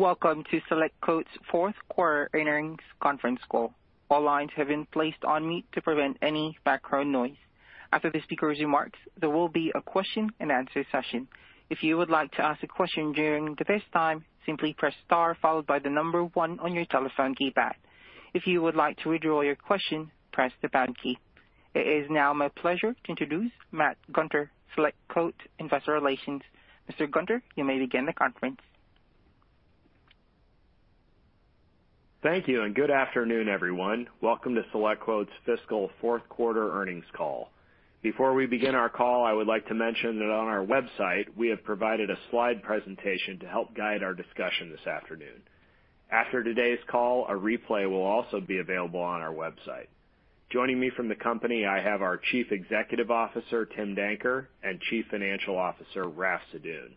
Welcome to SelectQuote's fourth quarter earnings conference call. All lines have been placed on mute to prevent any background noise. After the speaker's remarks, there will be a question and answer session. If you would like to ask a question during this time, simply press star followed by the number one on your telephone keypad. If you like to withdraw your question press the pound key. It is now my pleasure to introduce Matt Gunter, SelectQuote Investor Relations. Mr. Gunter, you may begin the conference. Thank you. Good afternoon, everyone. Welcome to SelectQuote's fiscal fourth quarter earnings call. Before we begin our call, I would like to mention that on our website, we have provided a slide presentation to help guide our discussion this afternoon. After today's call, a replay will also be available on our website. Joining me from the company, I have our Chief Executive Officer, Tim Danker, and Chief Financial Officer, Raff Sadun.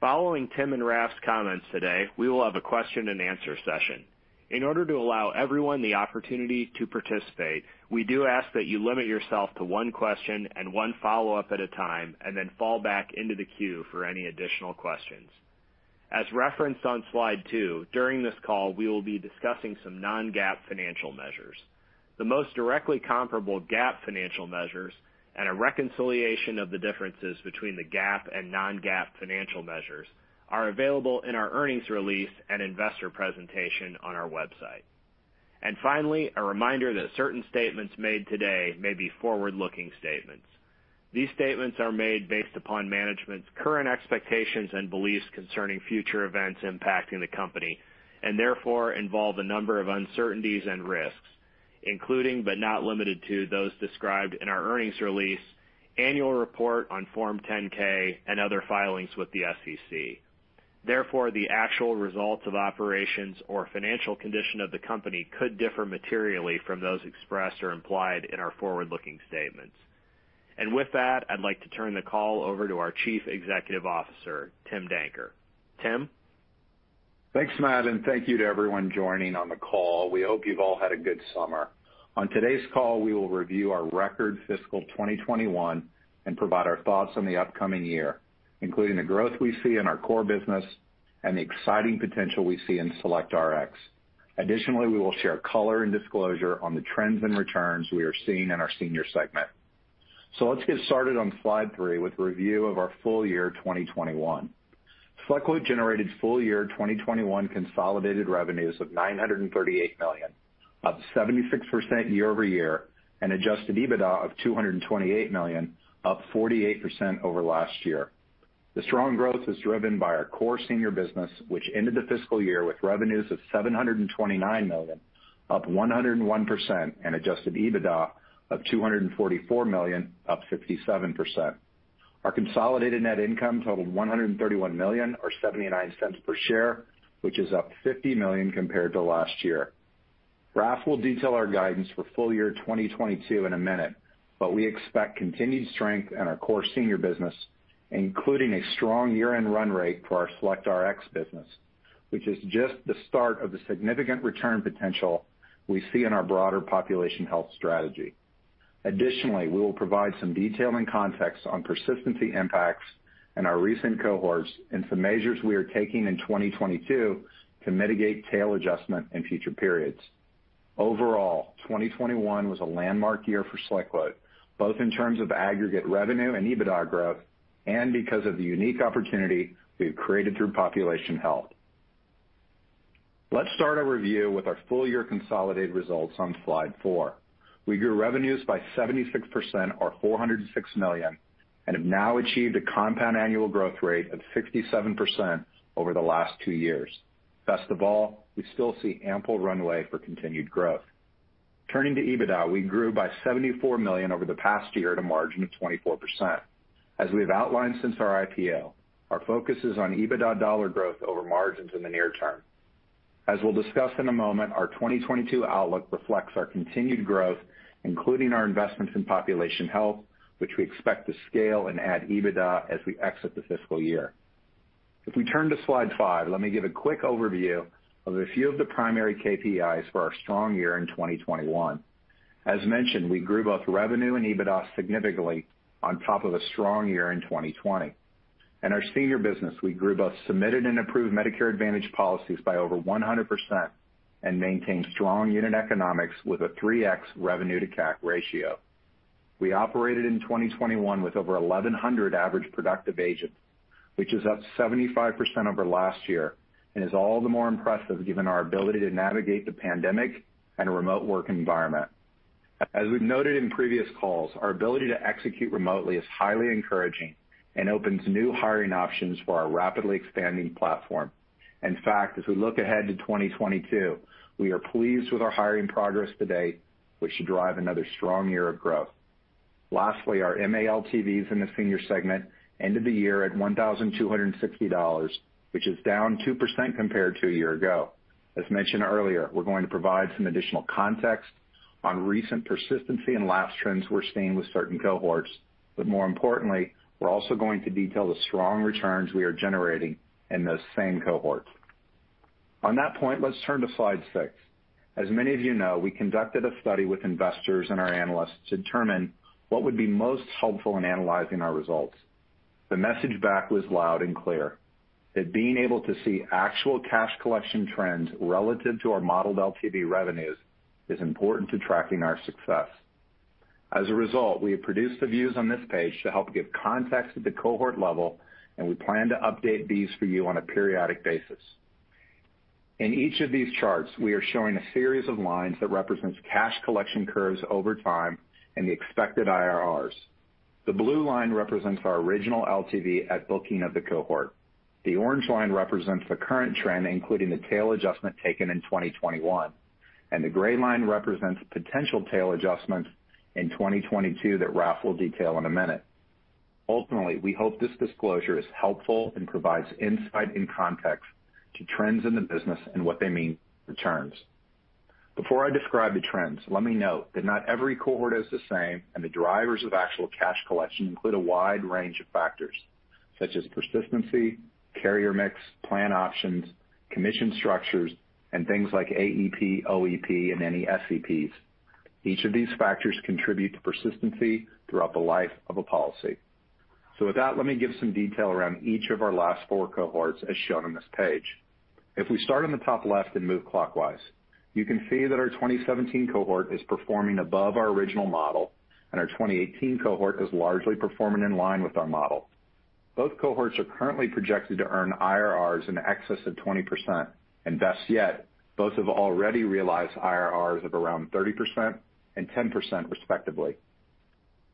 Following Tim and Raff's comments today, we will have a question and answer session. In order to allow everyone the opportunity to participate, we do ask that you limit yourself to one question and one follow-up at a time, and then fall back into the queue for any additional questions. As referenced on slide two, during this call, we will be discussing some non-GAAP financial measures. The most directly comparable GAAP financial measures and a reconciliation of the differences between the GAAP and non-GAAP financial measures are available in our earnings release and investor presentation on our website. Finally, a reminder that certain statements made today may be forward-looking statements. These statements are made based upon management's current expectations and beliefs concerning future events impacting the company, and therefore involve a number of uncertainties and risks, including but not limited to those described in our earnings release, annual report on Form 10-K, and other filings with the SEC. Therefore, the actual results of operations or financial condition of the company could differ materially from those expressed or implied in our forward-looking statements. With that, I'd like to turn the call over to our Chief Executive Officer, Tim Danker. Tim? Thanks, Matt, and thank you to everyone joining on the call. We hope you've all had a good summer. On today's call, we will review our record fiscal 2021 and provide our thoughts on the upcoming year, including the growth we see in our core business and the exciting potential we see in SelectRx. We will share color and disclosure on the trends and returns we are seeing in our senior segment. Let's get started on slide three with a review of our full year 2021. SelectQuote generated full year 2021 consolidated revenues of $938 million, up 76% year-over-year, and adjusted EBITDA of $228 million, up 48% over last year. The strong growth was driven by our core senior business, which ended the fiscal year with revenues of $729 million, up 101%, and adjusted EBITDA of $244 million, up 57%. Our consolidated net income totaled $131 million, or $0.79 per share, which is up $50 million compared to last year. Raff will detail our guidance for full year 2022 in a minute. We expect continued strength in our core senior business, including a strong year-end run rate for our SelectRx business, which is just the start of the significant return potential we see in our broader Population Health strategy. Additionally, we will provide some detail and context on persistency impacts in our recent cohorts and some measures we are taking in 2022 to mitigate tail adjustment in future periods. Overall, 2021 was a landmark year for SelectQuote, both in terms of aggregate revenue and EBITDA growth, and because of the unique opportunity we've created through Population Health. Let's start our review with our full year consolidated results on slide four. We grew revenues by 76%, or $406 million, and have now achieved a compound annual growth rate of 67% over the last two years. Best of all, we still see ample runway for continued growth. Turning to EBITDA, we grew by $74 million over the past year at a margin of 24%. As we've outlined since our IPO, our focus is on EBITDA dollar growth over margins in the near term. As we'll discuss in a moment, our 2022 outlook reflects our continued growth, including our investments in Population Health, which we expect to scale and add EBITDA as we exit the fiscal year. If we turn to slide five, let me give a quick overview of a few of the primary KPIs for our strong year in 2021. As mentioned, we grew both revenue and EBITDA significantly on top of a strong year in 2020. In our senior business, we grew both submitted and approved Medicare Advantage policies by over 100% and maintained strong unit economics with a 3X Rev to CAC ratio. We operated in 2021 with over 1,100 average productive agents, which is up 75% over last year and is all the more impressive given our ability to navigate the pandemic and a remote work environment. As we've noted in previous calls, our ability to execute remotely is highly encouraging and opens new hiring options for our rapidly expanding platform. In fact, as we look ahead to 2022, we are pleased with our hiring progress to date, which should drive another strong year of growth. Lastly, our MA LTVs in the senior segment ended the year at $1,260, which is down 2% compared to a year ago. As mentioned earlier, we're going to provide some additional context on recent persistency and lapse trends we're seeing with certain cohorts, but more importantly, we're also going to detail the strong returns we are generating in those same cohorts. On that point, let's turn to slide six. As many of you know, we conducted a study with investors and our analysts to determine what would be most helpful in analyzing our results. The message back was loud and clear that being able to see actual cash collection trends relative to our modeled LTV revenues is important to tracking our success. As a result, we have produced the views on this page to help give context at the cohort level, and we plan to update these for you on a periodic basis. In each of these charts, we are showing a series of lines that represents cash collection curves over time and the expected IRRs. The blue line represents our original LTV at booking of the cohort. The orange line represents the current trend, including the tail adjustment taken in 2021, and the gray line represents potential tail adjustments in 2022 that Raff will detail in a minute. Ultimately, we hope this disclosure is helpful and provides insight and context to trends in the business and what they mean for returns. Before I describe the trends, let me note that not every cohort is the same, and the drivers of actual cash collection include a wide range of factors such as persistency, carrier mix, plan options, commission structures, and things like AEP, OEP, and any SEPs. Each of these factors contribute to persistency throughout the life of a policy. With that, let me give some detail around each of our last four cohorts as shown on this page. If we start on the top left and move clockwise, you can see that our 2017 cohort is performing above our original model, and our 2018 cohort is largely performing in line with our model. Both cohorts are currently projected to earn IRRs in excess of 20%, and best yet, both have already realized IRRs of around 30% and 10% respectively.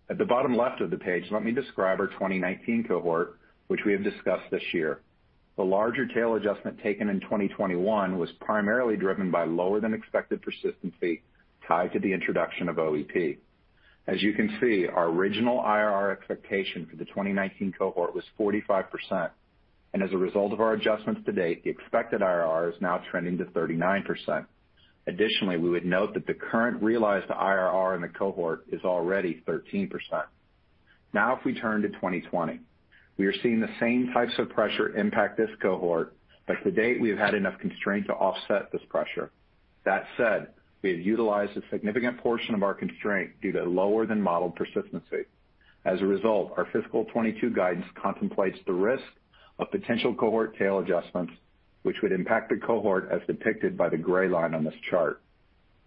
At the bottom left of the page, let me describe our 2019 cohort, which we have discussed this year. The larger tail adjustment taken in 2021 was primarily driven by lower than expected persistency tied to the introduction of OEP. As you can see, our original IRR expectation for the 2019 cohort was 45%, and as a result of our adjustments to date, the expected IRR is now trending to 39%. Additionally, we would note that the current realized IRR in the cohort is already 13%. Now if we turn to 2020, we are seeing the same types of pressure impact this cohort, but to date, we've had enough constraint to offset this pressure. That said, we have utilized a significant portion of our constraint due to lower than modeled persistency. As a result, our fiscal 2022 guidance contemplates the risk of potential cohort tail adjustments, which would impact the cohort as depicted by the gray line on this chart.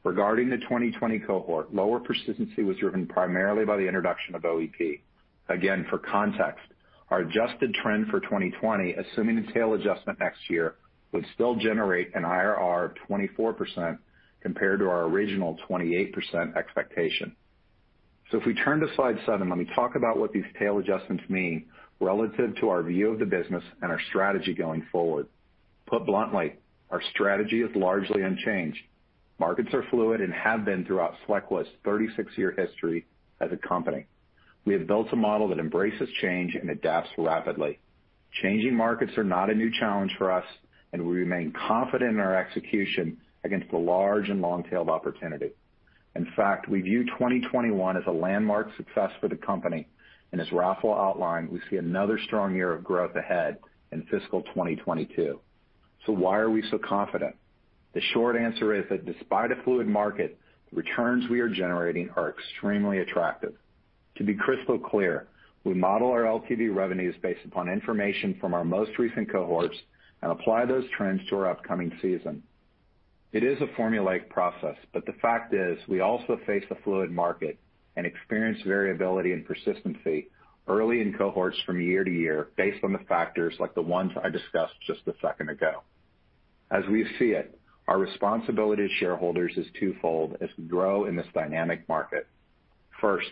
Regarding the 2020 cohort, lower persistency was driven primarily by the introduction of OEP. Again, for context, our adjusted trend for 2020, assuming the tail adjustment next year, would still generate an IRR of 24% compared to our original 28% expectation. If we turn to slide seven, let me talk about what these tail adjustments mean relative to our view of the business and our strategy going forward. Put bluntly, our strategy is largely unchanged. Markets are fluid and have been throughout SelectQuote's 36-year history as a company. We have built a model that embraces change and adapts rapidly. Changing markets are not a new challenge for us, and we remain confident in our execution against the large and long-tailed opportunity. In fact, we view 2021 as a landmark success for the company, and as Raff will outline, we see another strong year of growth ahead in fiscal 2022. Why are we so confident? The short answer is that despite a fluid market, the returns we are generating are extremely attractive. To be crystal clear, we model our LTV revenues based upon information from our most recent cohorts and apply those trends to our upcoming season. It is a formulaic process, but the fact is we also face a fluid market and experience variability and persistency early in cohorts from year to year based on the factors like the ones I discussed just one second ago. As we see it, our responsibility to shareholders is twofold as we grow in this dynamic market. First,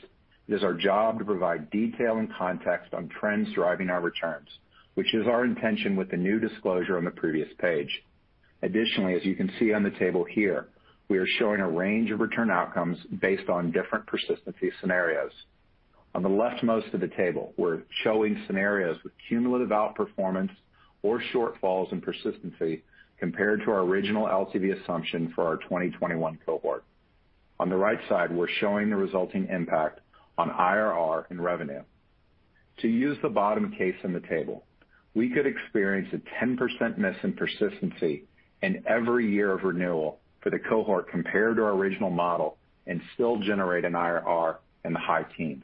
it is our job to provide detail and context on trends driving our returns, which is our intention with the new disclosure on the previous page. Additionally, as you can see on the table here, we are showing a range of return outcomes based on different persistency scenarios. On the leftmost of the table, we're showing scenarios with cumulative outperformance or shortfalls in persistency compared to our original LTV assumption for our 2021 cohort. On the right side, we're showing the resulting impact on IRR and revenue. To use the bottom case in the table, we could experience a 10% miss in persistency in every year of renewal for the cohort compared to our original model and still generate an IRR in the high teens.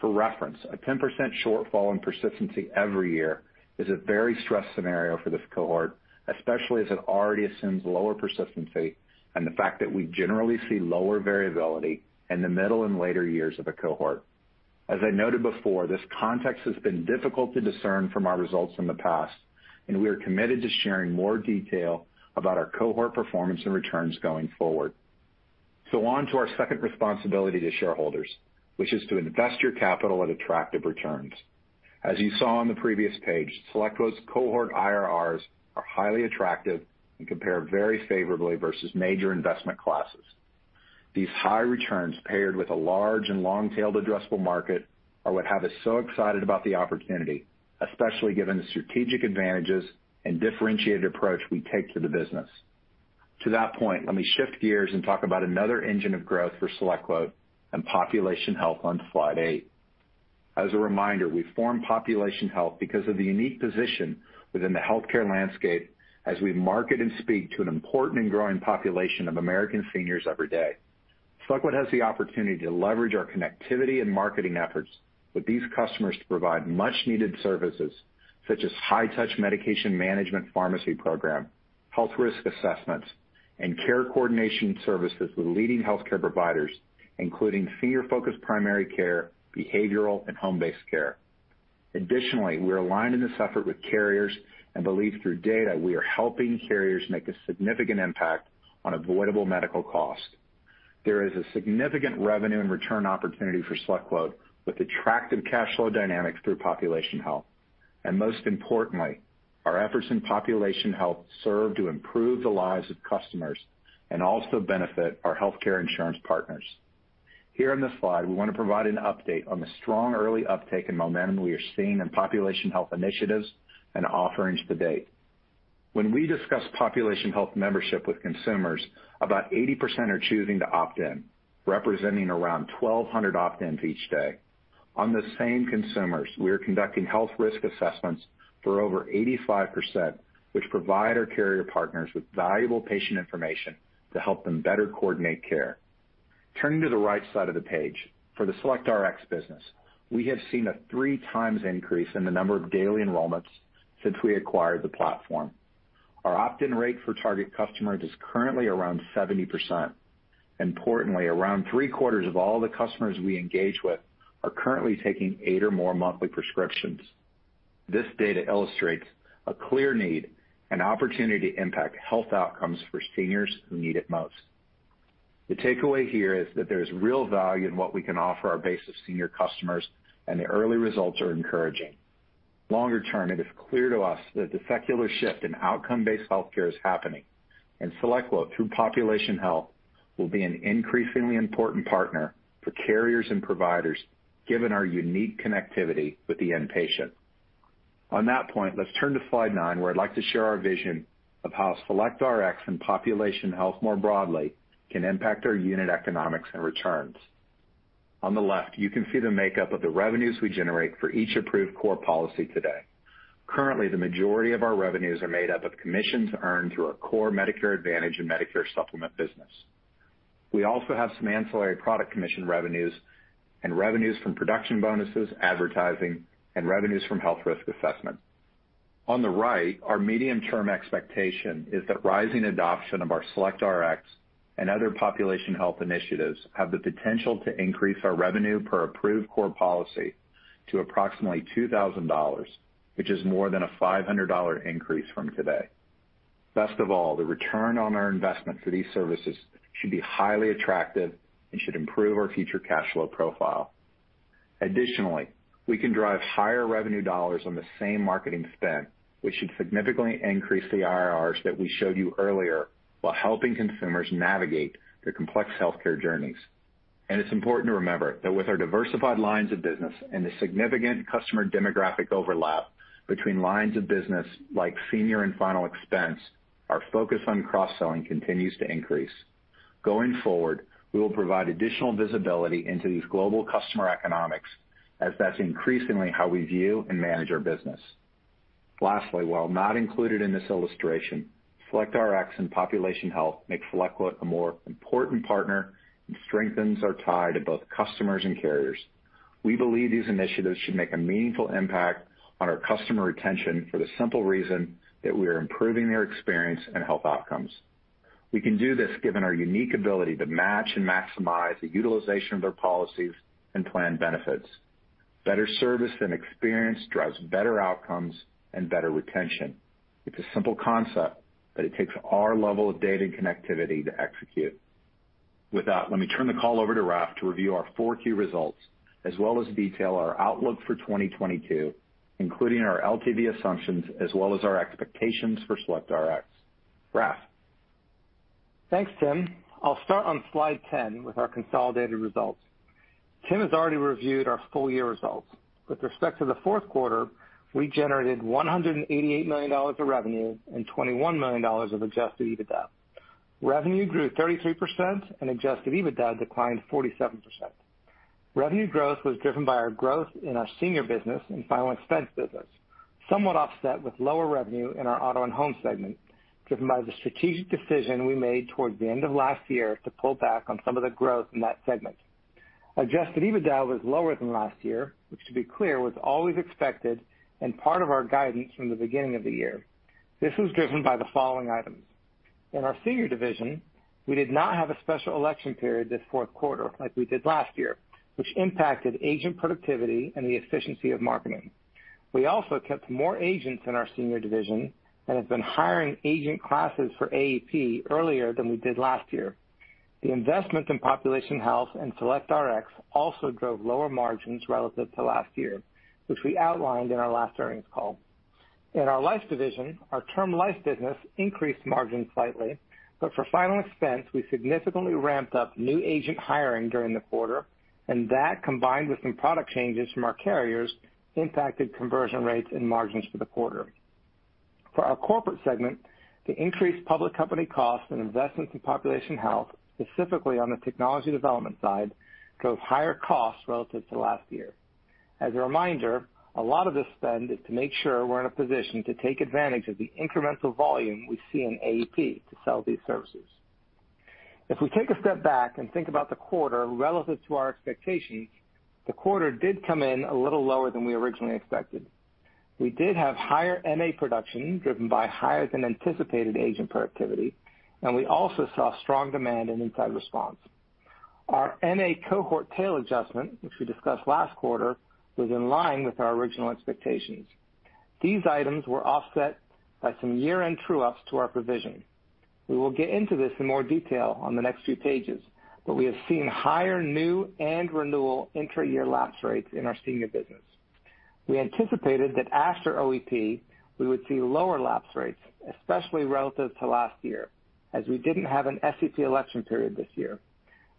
For reference, a 10% shortfall in persistency every year is a very stressed scenario for this cohort, especially as it already assumes lower persistency and the fact that we generally see lower variability in the middle and later years of a cohort. As I noted before, this context has been difficult to discern from our results in the past, and we are committed to sharing more detail about our cohort performance and returns going forward. On to our second responsibility to shareholders, which is to invest your capital at attractive returns. As you saw on the previous page, SelectQuote's cohort IRRs are highly attractive and compare very favorably versus major investment classes. These high returns paired with a large and long-tailed addressable market are what have us so excited about the opportunity, especially given the strategic advantages and differentiated approach we take to the business. To that point, let me shift gears and talk about another engine of growth for SelectQuote and Population Health on slide eight. As a reminder, we formed Population Health because of the unique position within the healthcare landscape as we market and speak to an important and growing population of American seniors every day. SelectQuote has the opportunity to leverage our connectivity and marketing efforts with these customers to provide much needed services such as high touch medication management pharmacy program, health risk assessments, and care coordination services with leading healthcare providers, including senior focused primary care, behavioral, and home-based care. We are aligned in this effort with carriers and believe through data, we are helping carriers make a significant impact on avoidable medical costs. There is a significant revenue and return opportunity for SelectQuote with attractive cash flow dynamics through Population Health. Most importantly, our efforts in Population Health serve to improve the lives of customers and also benefit our healthcare insurance partners. Here on this slide, we want to provide an update on the strong early uptake and momentum we are seeing in Population Health initiatives and offerings to date. When we discuss Population Health membership with consumers, about 80% are choosing to opt in, representing around 1,200 opt-ins each day. On the same consumers, we are conducting health risk assessments for over 85%, which provide our carrier partners with valuable patient information to help them better coordinate care. Turning to the right side of the page, for the SelectRx business, we have seen a three times increase in the number of daily enrollments since we acquired the platform. Our opt-in rate for target customers is currently around 70%. Importantly, around three-quarters of all the customers we engage with are currently taking eight or more monthly prescriptions. This data illustrates a clear need and opportunity to impact health outcomes for seniors who need it most. The takeaway here is that there's real value in what we can offer our base of senior customers, and the early results are encouraging. Longer term, it is clear to us that the secular shift in outcome-based healthcare is happening, and SelectQuote, through Population Health, will be an increasingly important partner for carriers and providers, given our unique connectivity with the end patient. On that point, let's turn to slide nine, where I'd like to share our vision of how SelectRx and Population Health more broadly can impact our unit economics and returns. On the left, you can see the makeup of the revenues we generate for each approved core policy today. Currently, the majority of our revenues are made up of commissions earned through our core Medicare Advantage and Medicare Supplement business. We also have some ancillary product commission revenues and revenues from production bonuses, advertising, and revenues from health risk assessment. On the right, our medium-term expectation is that rising adoption of our SelectRx and other Population Health initiatives have the potential to increase our revenue per approved core policy to approximately $2,000, which is more than a $500 increase from today. Best of all, the return on our investment for these services should be highly attractive and should improve our future cash flow profile. Additionally, we can drive higher revenue dollars on the same marketing spend, which should significantly increase the IRRs that we showed you earlier, while helping consumers navigate their complex healthcare journeys. It's important to remember that with our diversified lines of business and the significant customer demographic overlap between lines of business like Senior and Final Expense, our focus on cross-selling continues to increase. Going forward, we will provide additional visibility into these global customer economics as that's increasingly how we view and manage our business. Lastly, while not included in this illustration, SelectRx and Population Health make SelectQuote a more important partner and strengthens our tie to both customers and carriers. We believe these initiatives should make a meaningful impact on our customer retention for the simple reason that we are improving their experience and health outcomes. We can do this given our unique ability to match and maximize the utilization of their policies and plan benefits. Better service and experience drives better outcomes and better retention. It's a simple concept, but it takes our level of data and connectivity to execute. With that, let me turn the call over to Raff to review our fourth Q results, as well as detail our outlook for 2022, including our LTV assumptions as well as our expectations for SelectRx. Raff? Thanks, Tim. I'll start on slide 10 with our consolidated results. Tim has already reviewed our full year results. With respect to the Q4, we generated $188 million of revenue and $21 million of adjusted EBITDA. Revenue grew 33%; adjusted EBITDA declined 47%. Revenue growth was driven by our growth in our Senior Business and Final Expense Business, somewhat offset with lower revenue in our Auto and Home Segment, driven by the strategic decision we made towards the end of last year to pull back on some of the growth in that segment. Adjusted EBITDA was lower than last year, which to be clear, was always expected and part of our guidance from the beginning of the year. This was driven by the following items. In our Senior division, we did not have a special election period this fourth quarter like we did last year, which impacted agent productivity and the efficiency of marketing. We also kept more agents in our Senior division and have been hiring agent classes for AEP earlier than we did last year. The investment in Population Health and SelectRx also drove lower margins relative to last year, which we outlined in our last earnings call. In our Life division, our Term Life business increased margins slightly, but for Final Expense, we significantly ramped up new agent hiring during the quarter, and that, combined with some product changes from our carriers, impacted conversion rates and margins for the quarter. For our corporate segment, the increased public company costs and investments in Population Health, specifically on the technology development side, drove higher costs relative to last year. As a reminder, a lot of this spend is to make sure we're in a position to take advantage of the incremental volume we see in AEP to sell these services. If we take a step back and think about the quarter relative to our expectations, the quarter did come in a little lower than we originally expected. We did have higher MA production, driven by higher than anticipated agent productivity, and we also saw strong demand in inbound response. Our MA cohort tail adjustment, which we discussed last quarter, was in line with our original expectations. These items were offset by some year-end true-ups to our provision. We will get into this in more detail on the next few pages, but we have seen higher new and renewal intra-year lapse rates in our senior business. We anticipated that after OEP, we would see lower lapse rates, especially relative to last year, as we didn't have an SEP election period this year.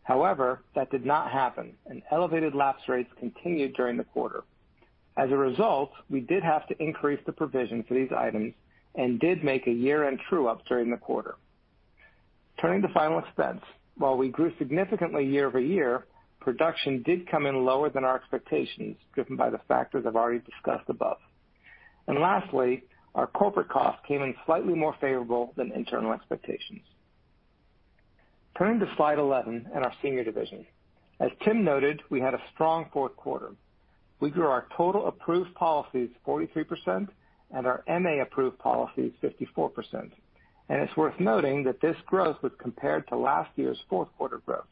However, that did not happen, and elevated lapse rates continued during the quarter. As a result, we did have to increase the provision for these items and did make a year-end true-ups during the quarter. Turning to final expense, while we grew significantly year-over-year, production did come in lower than our expectations, driven by the factors I've already discussed above. Lastly, our corporate costs came in slightly more favorable than internal expectations. Turning to slide 11 and our Senior Division. As Tim noted, we had a strong fourth quarter. We grew our total approved policies 43% and our MA approved policies 54%. It's worth noting that this growth was compared to last year's fourth quarter growth,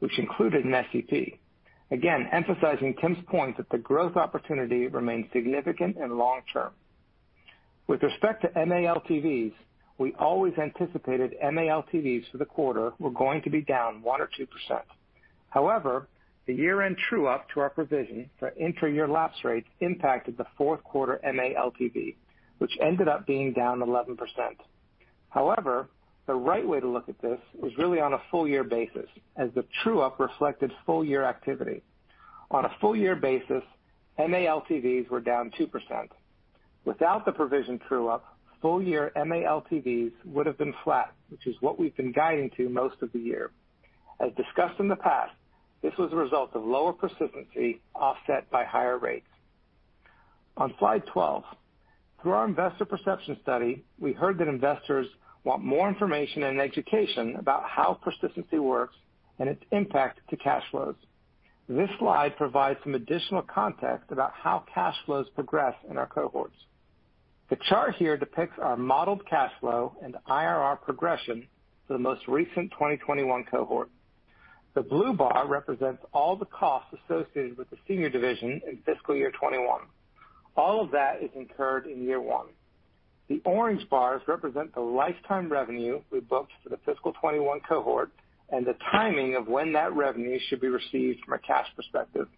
which included an SEP, again, emphasizing Tim's point that the growth opportunity remains significant and long-term. With respect to MALTVs, we always anticipated MALTVs for the quarter were going to be down 1%-2%. The year-end true-up to our provision for intra-year lapse rates impacted the fourth quarter MALTV, which ended up being down 11%. The right way to look at this is really on a full year basis, as the true-up reflected full year activity. On a full year basis, MALTVs were down 2%. Without the provision true-up, full year MALTVs would have been flat, which is what we've been guiding to most of the year. As discussed in the past, this was a result of lower persistency offset by higher rates. On slide 12, through our investor perception study, we heard that investors want more information and education about how persistency works and its impact to cash flows. This slide provides some additional context about how cash flows progress in our cohorts. The chart here depicts our modeled cash flow and IRR progression for the most recent 2021 cohort. The blue bar represents all the costs associated with the Senior Division in fiscal year 2021. All of that is incurred in year one. The orange bars represent the lifetime revenue we booked for the fiscal 2021 cohort and the timing of when that revenue should be received from a cash perspective.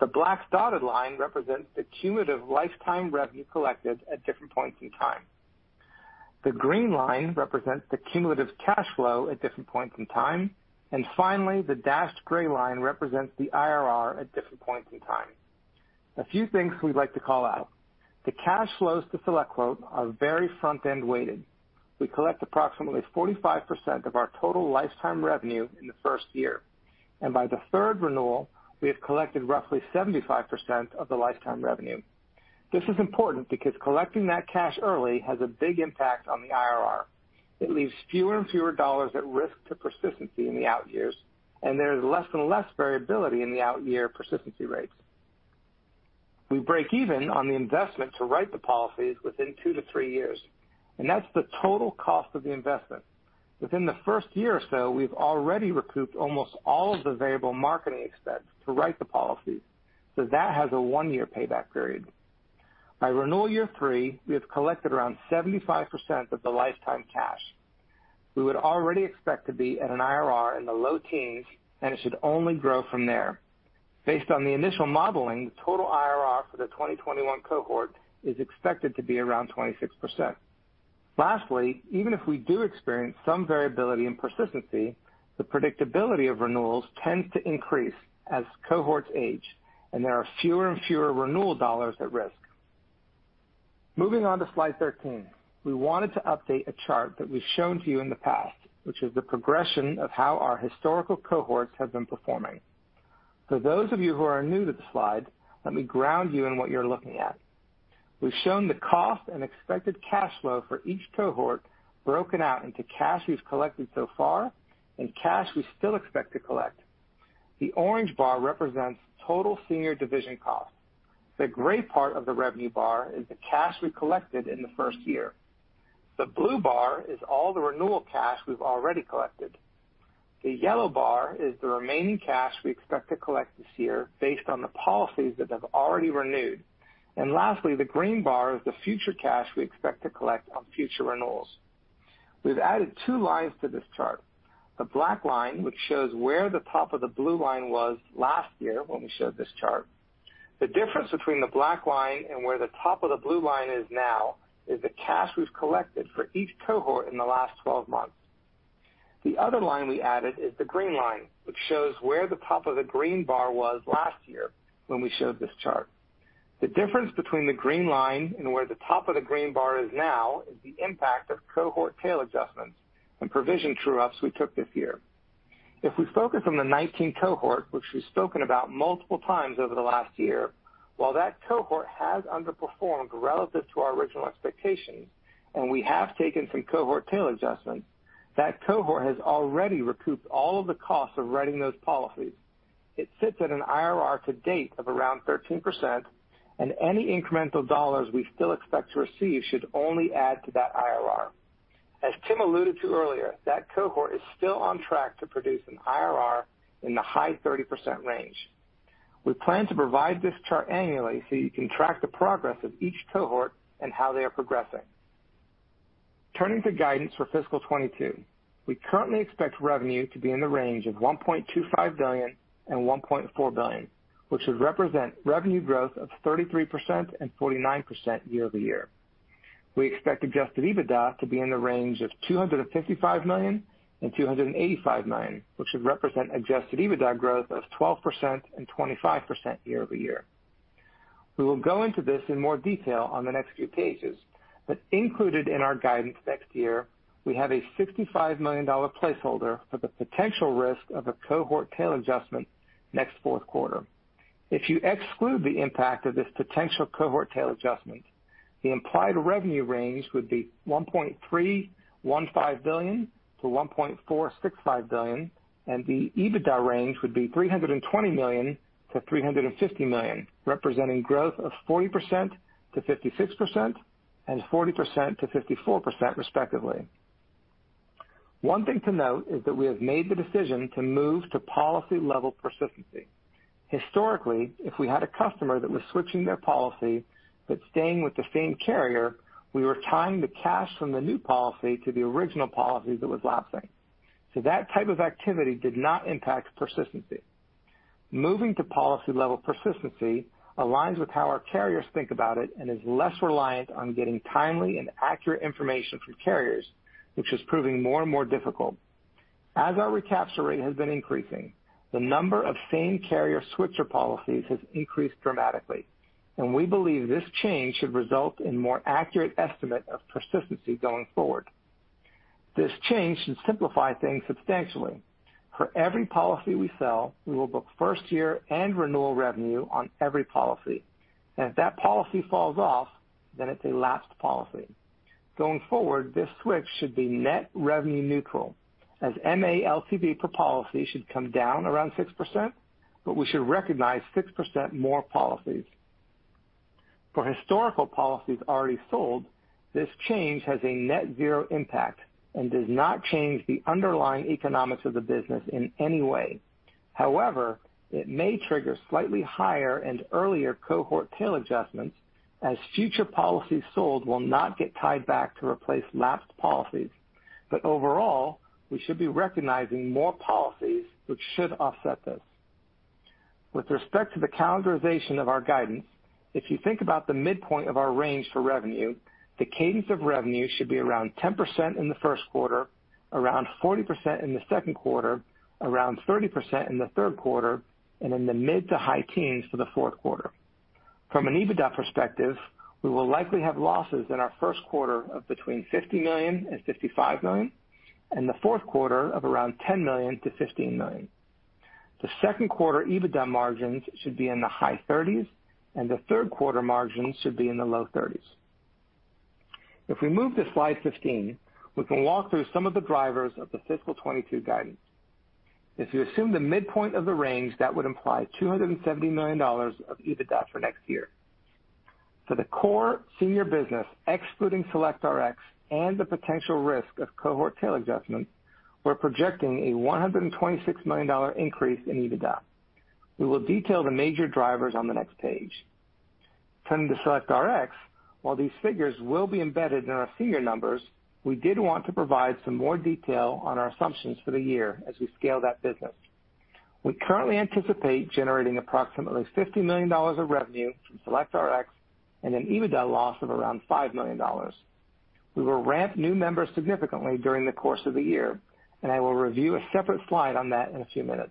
The black dotted line represents the cumulative lifetime revenue collected at different points in time. The green line represents the cumulative cash flow at different points in time. Finally, the dashed gray line represents the IRR at different points in time. A few things we'd like to call out. The cash flows to SelectQuote are very front-end weighted. We collect approximately 45% of our total lifetime revenue in the first year, and by the third renewal, we have collected roughly 75% of the lifetime revenue. This is important because collecting that cash early has a big impact on the IRR. It leaves fewer and fewer dollars at risk to persistency in the out years, and there is less and less variability in the out year persistency rates. We break even on the investment to write the policies within two-three years, and that's the total cost of the investment. Within the first year or so, we've already recouped almost all of the variable marketing expense to write the policy, so that has a one-year payback period. By renewal year three, we have collected around 75% of the lifetime cash. We would already expect to be at an IRR in the low teens, and it should only grow from there. Based on the initial modeling, the total IRR for the 2021 cohort is expected to be around 26%. Lastly, even if we do experience some variability in persistency, the predictability of renewals tends to increase as cohorts age and there are fewer and fewer renewal dollars at risk. Moving on to slide 13. We wanted to update a chart that we've shown to you in the past, which is the progression of how our historical cohorts have been performing. For those of you who are new to the slide, let me ground you in what you're looking at. We've shown the cost and expected cash flow for each cohort broken out into cash we've collected so far and cash we still expect to collect. The orange bar represents total Senior Division costs. The gray part of the revenue bar is the cash we collected in the first year. The blue bar is all the renewal cash we've already collected. The yellow bar is the remaining cash we expect to collect this year based on the policies that have already renewed. Lastly, the green bar is the future cash we expect to collect on future renewals. We've added two lines to this chart, the black line, which shows where the top of the blue line was last year when we showed this chart. The difference between the black line and where the top of the blue line is now is the cash we've collected for each cohort in the last 12 months. The other line we added is the green line, which shows where the top of the green bar was last year when we showed this chart. The difference between the green line and where the top of the green bar is now is the impact of cohort tail adjustments and provision true-ups we took this year. If we focus on the 2019 cohort, which we've spoken about multiple times over the last year, while that cohort has underperformed relative to our original expectations, and we have taken some cohort tail adjustments, that cohort has already recouped all of the costs of writing those policies. It sits at an IRR to date of around 13%, and any incremental dollars we still expect to receive should only add to that IRR. As Tim alluded to earlier, that cohort is still on track to produce an IRR in the high 30% range. We plan to provide this chart annually so you can track the progress of each cohort and how they are progressing. Turning to guidance for fiscal 2022, we currently expect revenue to be in the range of $1.25 billion-$1.4 billion, which would represent revenue growth of 33%-49% year-over-year. We expect adjusted EBITDA to be in the range of $255 million-$285 million, which would represent adjusted EBITDA growth of 12%-25% year-over-year. We will go into this in more detail on the next few pages, included in our guidance next year, we have a $65 million placeholder for the potential risk of a cohort tail adjustment next fourth quarter. If you exclude the impact of this potential cohort tail adjustment, the implied revenue range would be $1.315 billion-$1.465 billion, and the EBITDA range would be $320 million-$350 million, representing growth of 40%-56% and 40%-54%, respectively. One thing to note is that we have made the decision to move to policy-level persistency. Historically, if we had a customer that was switching their policy but staying with the same carrier, we were tying the cash from the new policy to the original policy that was lapsing. That type of activity did not impact persistency. Moving to policy-level persistency aligns with how our carriers think about it and is less reliant on getting timely and accurate information from carriers, which is proving more and more difficult. As our recapture rate has been increasing, the number of same carrier switcher policies has increased dramatically, and we believe this change should result in more accurate estimate of persistency going forward. This change should simplify things substantially. For every policy we sell, we will book first year and renewal revenue on every policy, and if that policy falls off, then it's a lapsed policy. Going forward, this switch should be net revenue neutral, as MA LTV per policy should come down around 6%, but we should recognize 6% more policies. For historical policies already sold, this change has a net zero impact and does not change the underlying economics of the business in any way. However, it may trigger slightly higher and earlier cohort tail adjustments as future policies sold will not get tied back to replace lapsed policies. Overall, we should be recognizing more policies, which should offset this. With respect to the calendarization of our guidance, if you think about the midpoint of our range for revenue, the cadence of revenue should be around 10% in the first quarter, around 40% in the second quarter, around 30% in the third quarter, and in the mid to high teens for the fourth quarter. From an EBITDA perspective, we will likely have losses in our first quarter of between $50 million and $55 million, and the fourth quarter of around $10 million-$15 million. The second quarter EBITDA margins should be in the high 30s, and the third quarter margins should be in the low 30s. If we move to slide 15, we can walk through some of the drivers of the fiscal 2022 guidance. If you assume the midpoint of the range, that would imply $270 million of EBITDA for next year. For the core senior business, excluding SelectRx and the potential risk of cohort tail adjustment, we're projecting a $126 million increase in EBITDA. We will detail the major drivers on the next page. Turning to SelectRx, while these figures will be embedded in our senior numbers, we did want to provide some more detail on our assumptions for the year as we scale that business. We currently anticipate generating approximately $50 million of revenue from SelectRx and an EBITDA loss of around $5 million. We will ramp new members significantly during the course of the year, and I will review a separate slide on that in a few minutes.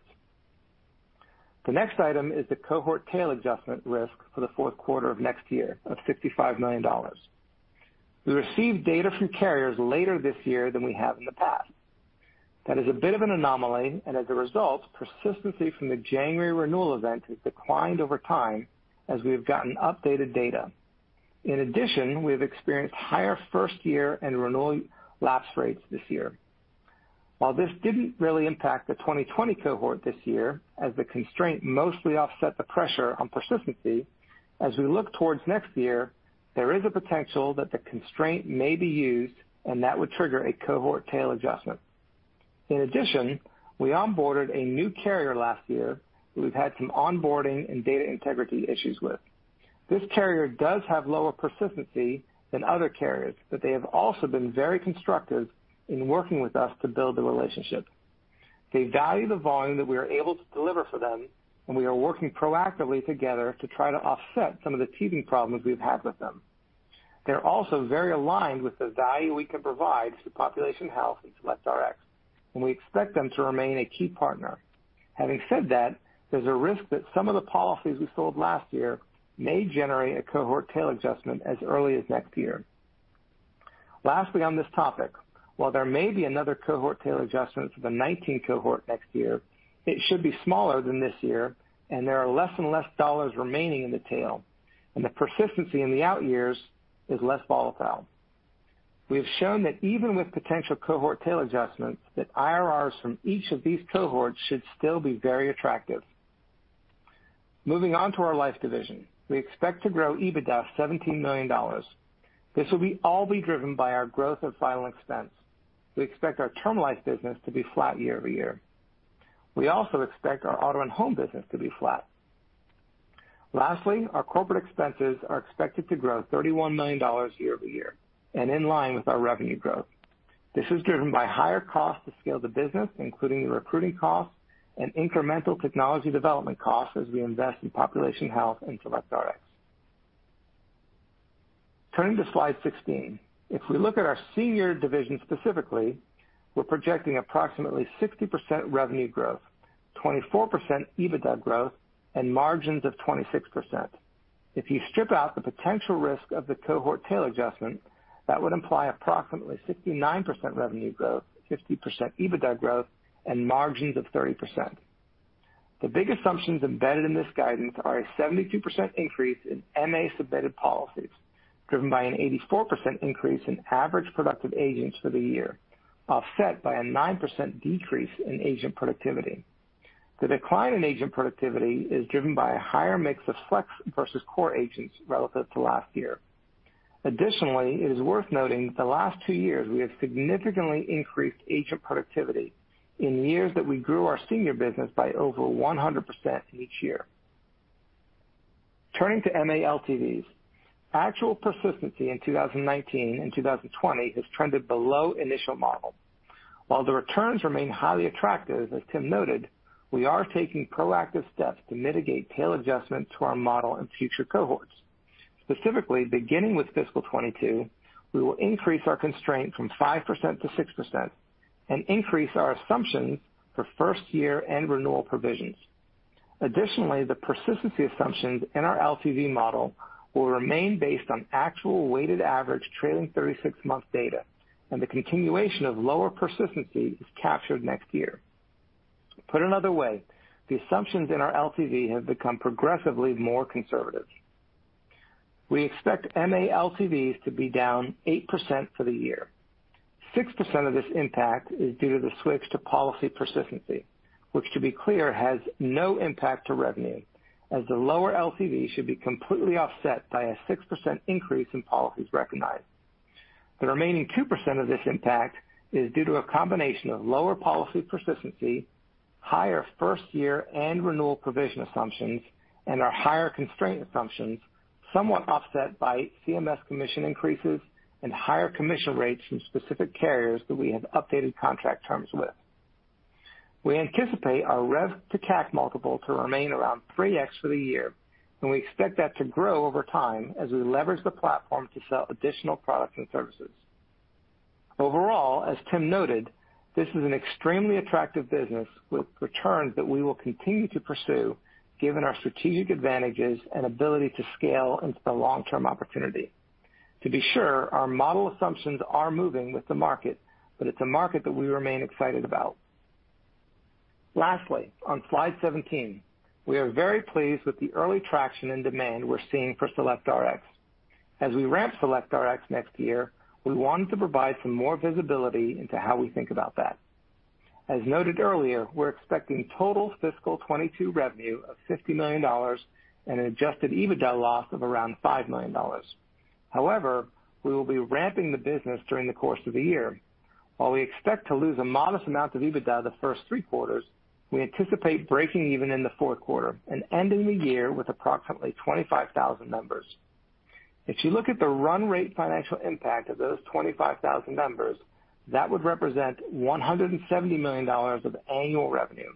The next item is the cohort tail adjustment risk for the fourth quarter of next year of $65 million. We received data from carriers later this year than we have in the past. That is a bit of an anomaly, and as a result, persistency from the January renewal event has declined over time as we have gotten updated data. In addition, we have experienced higher first year and renewal lapse rates this year. While this didn't really impact the 2020 cohort this year, as the constraint mostly offset the pressure on persistency, as we look towards next year, there is a potential that the constraint may be used, and that would trigger a cohort tail adjustment. In addition, we onboarded a new carrier last year who we've had some onboarding and data integrity issues with. This carrier does have lower persistency than other carriers, but they have also been very constructive in working with us to build the relationship. They value the volume that we are able to deliver for them, and we are working proactively together to try to offset some of the teething problems we've had with them. They're also very aligned with the value we can provide to Population Health and SelectRx, and we expect them to remain a key partner. Having said that, there's a risk that some of the policies we sold last year may generate a cohort tail adjustment as early as next year. Lastly, on this topic, while there may be another cohort tail adjustment for the 2019 cohort next year, it should be smaller than this year, and there are less and less dollars remaining in the tail, and the persistency in the out years is less volatile. We have shown that even with potential cohort tail adjustments, that IRRs from each of these cohorts should still be very attractive. Moving on to our life division, we expect to grow EBITDA $17 million. This will all be driven by our growth of final expense. We expect our term life business to be flat year-over-year. We also expect our auto and home business to be flat. Lastly, our corporate expenses are expected to grow $31 million year-over-year and in line with our revenue growth. This is driven by higher costs to scale the business, including recruiting costs and incremental technology development costs as we invest in Population Health and SelectRx. Turning to slide 16. If we look at our senior division specifically, we're projecting approximately 60% revenue growth, 24% EBITDA growth, and margins of 26%. If you strip out the potential risk of the cohort tail adjustment, that would imply approximately 69% revenue growth, 50% EBITDA growth, and margins of 30%. The big assumptions embedded in this guidance are a 72% increase in MA-submitted policies, driven by an 84% increase in average productive agents for the year, offset by a 9% decrease in agent productivity. The decline in agent productivity is driven by a higher mix of flex versus core agents relative to last year. Additionally, it is worth noting that the last two years we have significantly increased agent productivity in years that we grew our senior business by over 100% each year. Turning to MA LTVs. Actual persistency in 2019 and 2020 has trended below initial model. While the returns remain highly attractive, as Tim noted, we are taking proactive steps to mitigate tail adjustment to our model and future cohorts. Specifically, beginning with fiscal 2022, we will increase our constraint from 5%-6% and increase our assumptions for first year and renewal provisions. The persistency assumptions in our LTV model will remain based on actual weighted average trailing 36-month data, and the continuation of lower persistency is captured next year. Put another way, the assumptions in our LTV have become progressively more conservative. We expect MA LTVs to be down 8% for the year. 6% of this impact is due to the switch to policy persistency, which, to be clear, has no impact to revenue, as the lower LTV should be completely offset by a 6% increase in policies recognized. The remaining 2% of this impact is due to a combination of lower policy persistency, higher first year and renewal provision assumptions, and our higher constraint assumptions, somewhat offset by CMS commission increases and higher commission rates from specific carriers that we have updated contract terms with. We anticipate our Rev to CAC multiple to remain around 3x for the year, and we expect that to grow over time as we leverage the platform to sell additional products and services. Overall, as Tim noted, this is an extremely attractive business with returns that we will continue to pursue given our strategic advantages and ability to scale into the long-term opportunity. To be sure, our model assumptions are moving with the market, but it's a market that we remain excited about. Lastly, on slide 17, we are very pleased with the early traction and demand we're seeing for SelectRx. As we ramp SelectRx next year, we wanted to provide some more visibility into how we think about that. As noted earlier, we're expecting total fiscal 2022 revenue of $50 million and an adjusted EBITDA loss of around $5 million. We will be ramping the business during the course of the year. While we expect to lose a modest amount of EBITDA the first three quarters, we anticipate breaking even in the fourth quarter and ending the year with approximately 25,000 members. If you look at the run rate financial impact of those 25,000 members, that would represent $170 million of annual revenue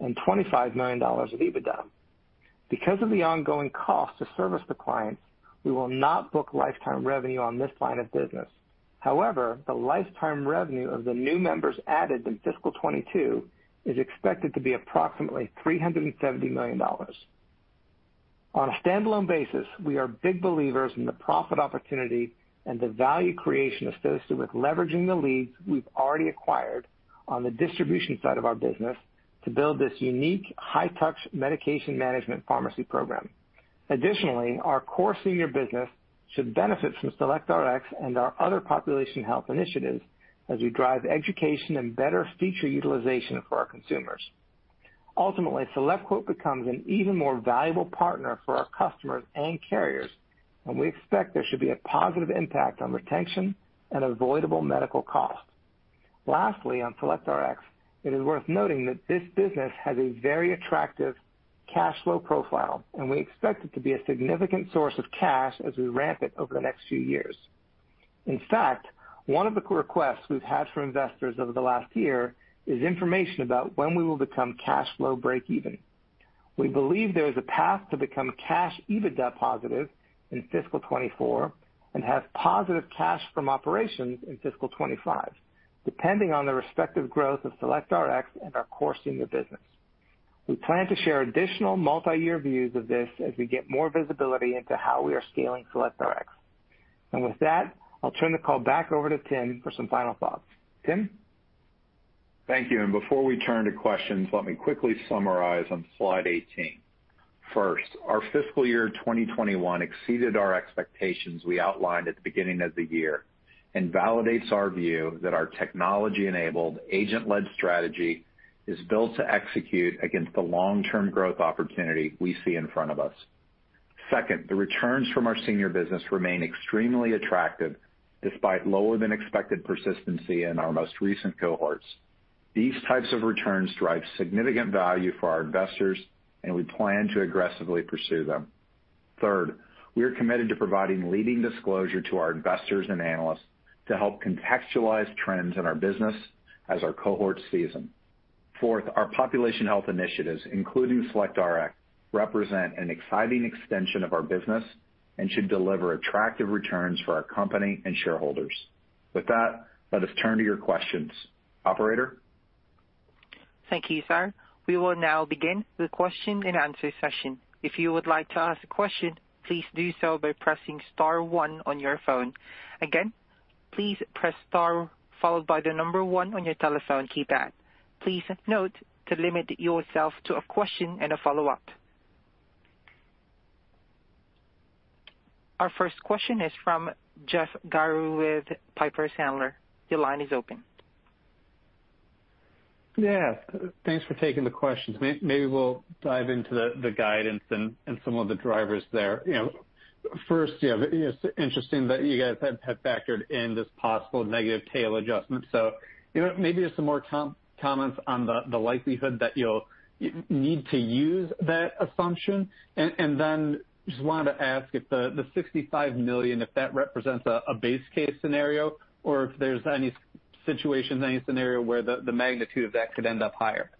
and $25 million of EBITDA. Because of the ongoing cost to service the clients, we will not book lifetime revenue on this line of business. The lifetime revenue of the new members added in fiscal 2022 is expected to be approximately $370 million. On a standalone basis, we are big believers in the profit opportunity and the value creation associated with leveraging the leads we've already acquired on the distribution side of our business to build this unique high-touch medication management pharmacy program. Additionally, our core senior business should benefit from SelectRx and our other Population Health initiatives as we drive education and better feature utilization for our consumers. Ultimately, SelectQuote becomes an even more valuable partner for our customers and carriers, and we expect there should be a positive impact on retention and avoidable medical costs. Lastly, on SelectRx, it is worth noting that this business has a very attractive cash flow profile, and we expect it to be a significant source of cash as we ramp it over the next few years. In fact, one of the requests we've had from investors over the last year is information about when we will become cash flow breakeven. We believe there is a path to become cash EBITDA positive in FY 2024 and have positive cash from operations in FY 2025, depending on the respective growth of SelectRx and our core senior business. We plan to share additional multi-year views of this as we get more visibility into how we are scaling SelectRx. With that, I'll turn the call back over to Tim for some final thoughts. Tim? Thank you, and before we turn to questions, let me quickly summarize on slide 18. First, our fiscal year 2021 exceeded our expectations we outlined at the beginning of the year and validates our view that our technology-enabled agent-led strategy is built to execute against the long-term growth opportunity we see in front of us. Second, the returns from our senior business remain extremely attractive despite lower than expected persistency in our most recent cohorts. These types of returns drive significant value for our investors, and we plan to aggressively pursue them. Third, we are committed to providing leading disclosure to our investors and analysts to help contextualize trends in our business as our cohorts season. Fourth, our Population Health initiatives, including SelectRx, represent an exciting extension of our business and should deliver attractive returns for our company and shareholders. With that, let us turn to your questions. Operator? Thank you, sir. We will now begin the question and answer session. If you would like to ask a question, please do so by pressing star one on your phone. Again, please press star followed by the number one on your telephone keypad. Please note to limit yourself to a question and a follow-up. Our first question is from Jeff Garro with Piper Sandler. Your line is open. Yeah. Thanks for taking the questions. Maybe we'll dive into the guidance and some of the drivers there. First, it's interesting that you guys have factored in this possible negative tail adjustment. Maybe just some more comments on the likelihood that you'll need to use that assumption. Just wanted to ask if the $65 million, if that represents a base case scenario, or if there's any situation, any scenario where the magnitude of that could end up higher.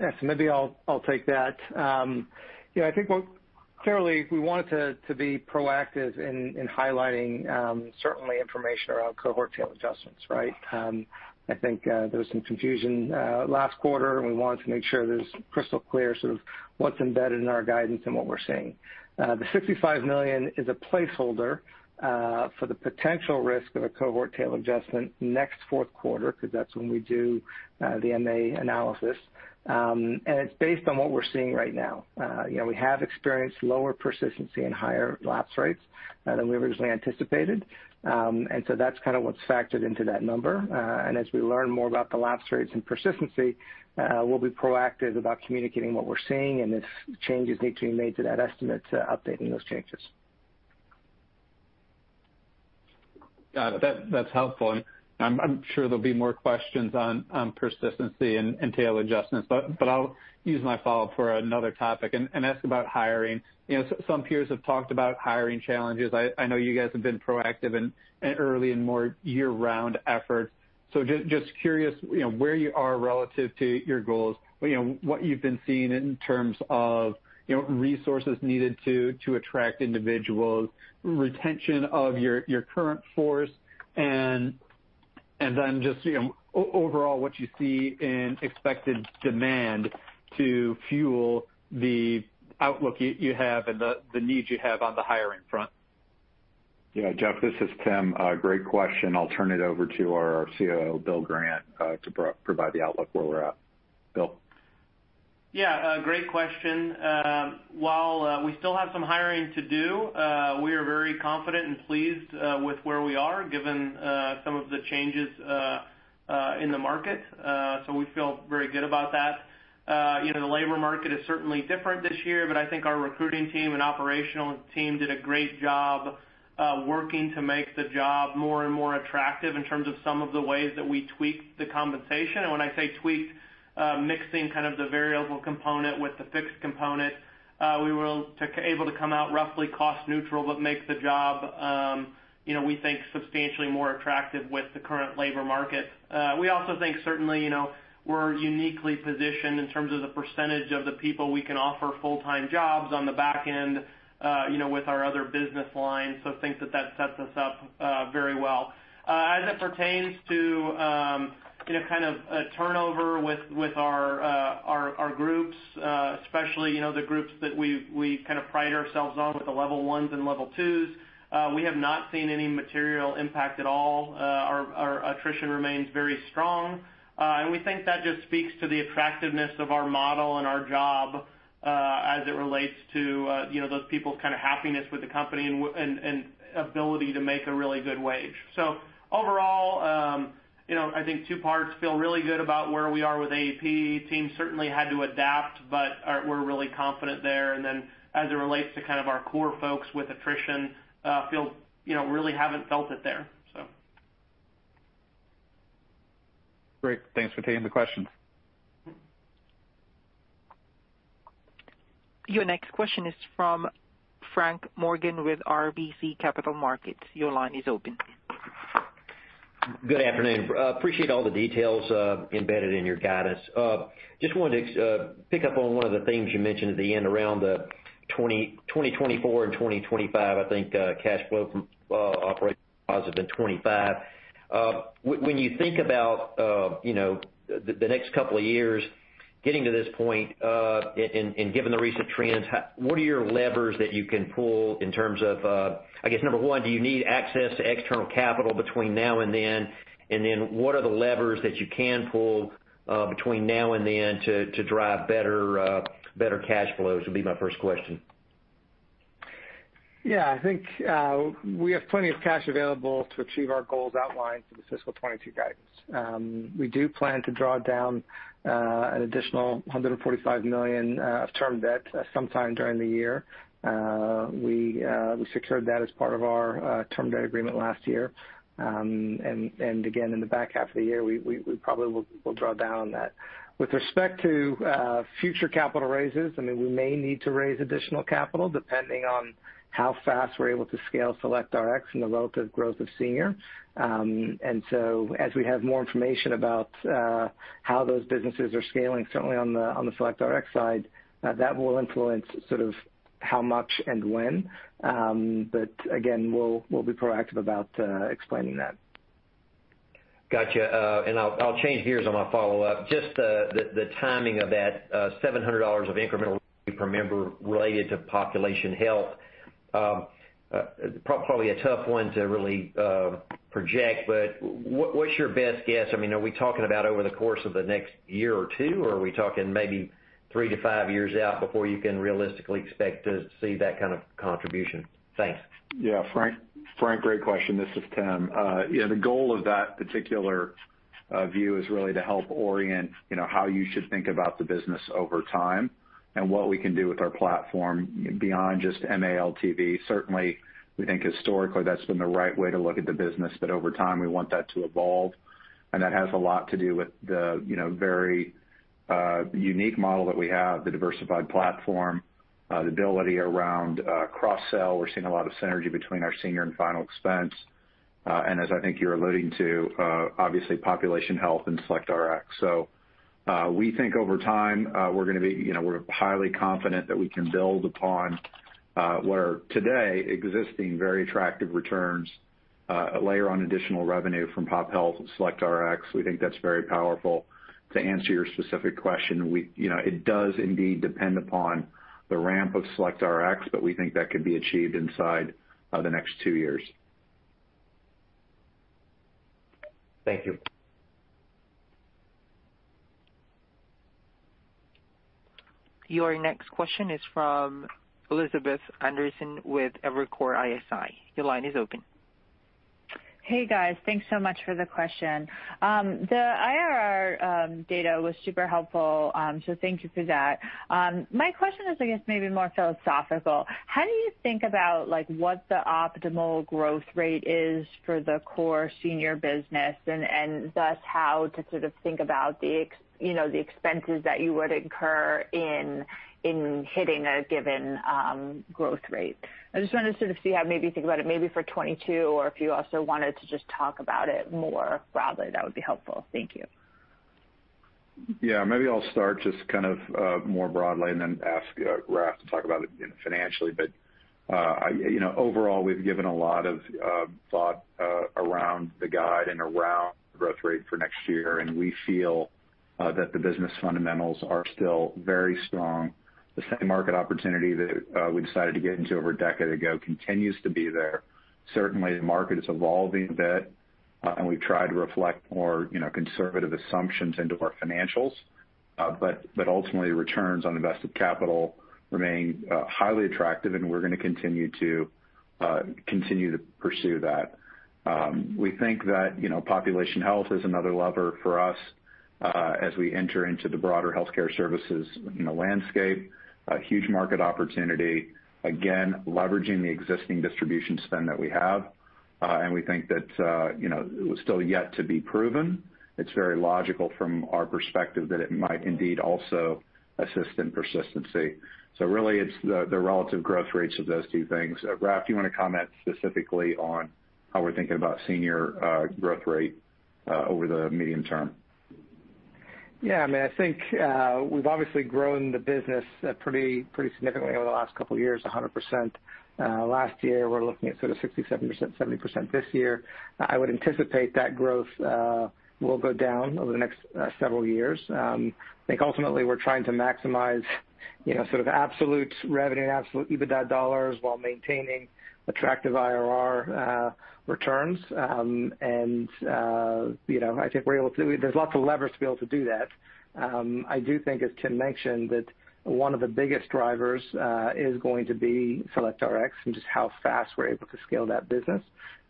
Yes, maybe I'll take that. I think clearly we wanted to be proactive in highlighting certainly information around cohort tail adjustments, right? I think there was some confusion last quarter. We wanted to make sure it is crystal clear sort of what's embedded in our guidance and what we're seeing. The $65 million is a placeholder for the potential risk of a cohort tail adjustment next fourth quarter, because that's when we do the MA analysis. It's based on what we're seeing right now. We have experienced lower persistency and higher lapse rates than we originally anticipated. That's kind of what's factored into that number. As we learn more about the lapse rates and persistency, we'll be proactive about communicating what we're seeing, and if changes need to be made to that estimate, updating those changes. Got it. That's helpful, and I'm sure there'll be more questions on persistency and tail adjustments. I'll use my follow-up for another topic and ask about hiring. Some peers have talked about hiring challenges. I know you guys have been proactive and early in more year-round efforts. Just curious where you are relative to your goals, what you've been seeing in terms of resources needed to attract individuals, retention of your current force, and then just overall what you see in expected demand to fuel the outlook you have and the needs you have on the hiring front. Yeah, Jeff, this is Tim. Great question. I'll turn it over to our COO, Bill Grant, to provide the outlook where we're at. Bill? Yeah, great question. While we still have some hiring to do, we are very confident and pleased with where we are given some of the changes in the market. We feel very good about that. The labor market is certainly different this year, but I think our recruiting team and operational team did a great job working to make the job more and more attractive in terms of some of the ways that we tweaked the compensation. When I say tweaked, mixing kind of the variable component with the fixed component, we were able to come out roughly cost neutral, but make the job, we think, substantially more attractive with the current labor market. We also think certainly, we're uniquely positioned in terms of the percentage of the people we can offer full-time jobs on the back end with our other business lines. Think that that sets us up very well. As it pertains to kind of turnover with our groups, especially the groups that we kind of pride ourselves on with the level 1s and level 2s, we have not seen any material impact at all. Our attrition remains very strong. We think that just speaks to the attractiveness of our model and our job as it relates to those people's kind of happiness with the company and ability to make a really good wage. Overall, I think two parts feel really good about where we are with AEP. Team certainly had to adapt, but we're really confident there. As it relates to kind of our core folks with attrition, really haven't felt it there. Great. Thanks for taking the question. Your next question is from Frank Morgan with RBC Capital Markets. Your line is open. Good afternoon. Appreciate all the details embedded in your guidance. Just wanted to pick up on one of the things you mentioned at the end around the 2024 and 2025, I think, cash flow from operating positive in 2025. When you think about the next couple of years getting to this point, and given the recent trends, what are your levers that you can pull in terms of, I guess, number one, do you need access to external capital between now and then? What are the levers that you can pull between now and then to drive better cash flows, would be my first question. Yeah, I think we have plenty of cash available to achieve our goals outlined for the fiscal 2022 guidance. We do plan to draw down an additional $145 million of term debt sometime during the year. We secured that as part of our term debt agreement last year. Again, in the back half of the year, we probably will draw down on that. With respect to future capital raises, we may need to raise additional capital depending on how fast we're able to scale SelectRx and the relative growth of senior. As we have more information about how those businesses are scaling, certainly on the SelectRx side, that will influence sort of how much and when. Again, we'll be proactive about explaining that. Got you. I'll change gears on my follow-up. Just the timing of that $700 of incremental per member related to Population Health. Probably a tough one to really project, but what's your best guess? Are we talking about over the course of the next one year or two years, or are we talking maybe three years -five years out before you can realistically expect to see that kind of contribution? Thanks. Yeah. Frank, great question. This is Tim. The goal of that particular view is really to help orient how you should think about the business over time and what we can do with our platform beyond just MA LTV. Certainly, we think historically that's been the right way to look at the business. Over time, we want that to evolve, and that has a lot to do with the very unique model that we have, the diversified platform, the ability around cross-sell. We're seeing a lot of synergy between our senior and final expense. As I think you're alluding to, obviously Population Health and SelectRx. We think over time, we're highly confident that we can build upon what are today existing very attractive returns, layer on additional revenue from Population Health and SelectRx. We think that's very powerful. To answer your specific question, it does indeed depend upon the ramp of SelectRx, but we think that could be achieved inside the next two years. Thank you. Your next question is from Elizabeth Anderson with Evercore ISI. Your line is open. Hey, guys. Thanks so much for the question. The IRR data was super helpful. Thank you for that. My question is, I guess, maybe more philosophical. How do you think about what the optimal growth rate is for the core senior business, and thus how to sort of think about the expenses that you would incur in hitting a given growth rate? I just wanted to sort of see how maybe you think about it maybe for 2022, or if you also wanted to just talk about it more broadly, that would be helpful. Thank you. Yeah, maybe I'll start just kind of more broadly and then ask Raff to talk about it financially. Overall, we've given a lot of thought around the guide and around the growth rate for next year, and we feel that the business fundamentals are still very strong. The same market opportunity that we decided to get into over a decade ago continues to be there. Certainly, the market is evolving a bit, and we try to reflect more conservative assumptions into our financials. Ultimately, returns on invested capital remain highly attractive, and we're going to continue to pursue that. We think that Population Health is another lever for us as we enter into the broader healthcare services landscape, a huge market opportunity, again, leveraging the existing distribution spend that we have. We think that it was still yet to be proven. It's very logical from our perspective that it might indeed also assist in persistency. Really, it's the relative growth rates of those two things. Raff, do you want to comment specifically on how we're thinking about senior growth rate over the medium term? Yeah. I think we've obviously grown the business pretty significantly over the last couple of years, 100%. Last year, we're looking at sort of 67%, 70% this year. I would anticipate that growth will go down over the next several years. I think ultimately we're trying to maximize sort of absolute revenue and absolute EBITDA dollars while maintaining attractive IRR returns. I think there's lots of levers to be able to do that. I do think, as Tim mentioned, that one of the biggest drivers is going to be SelectRx and just how fast we're able to scale that business.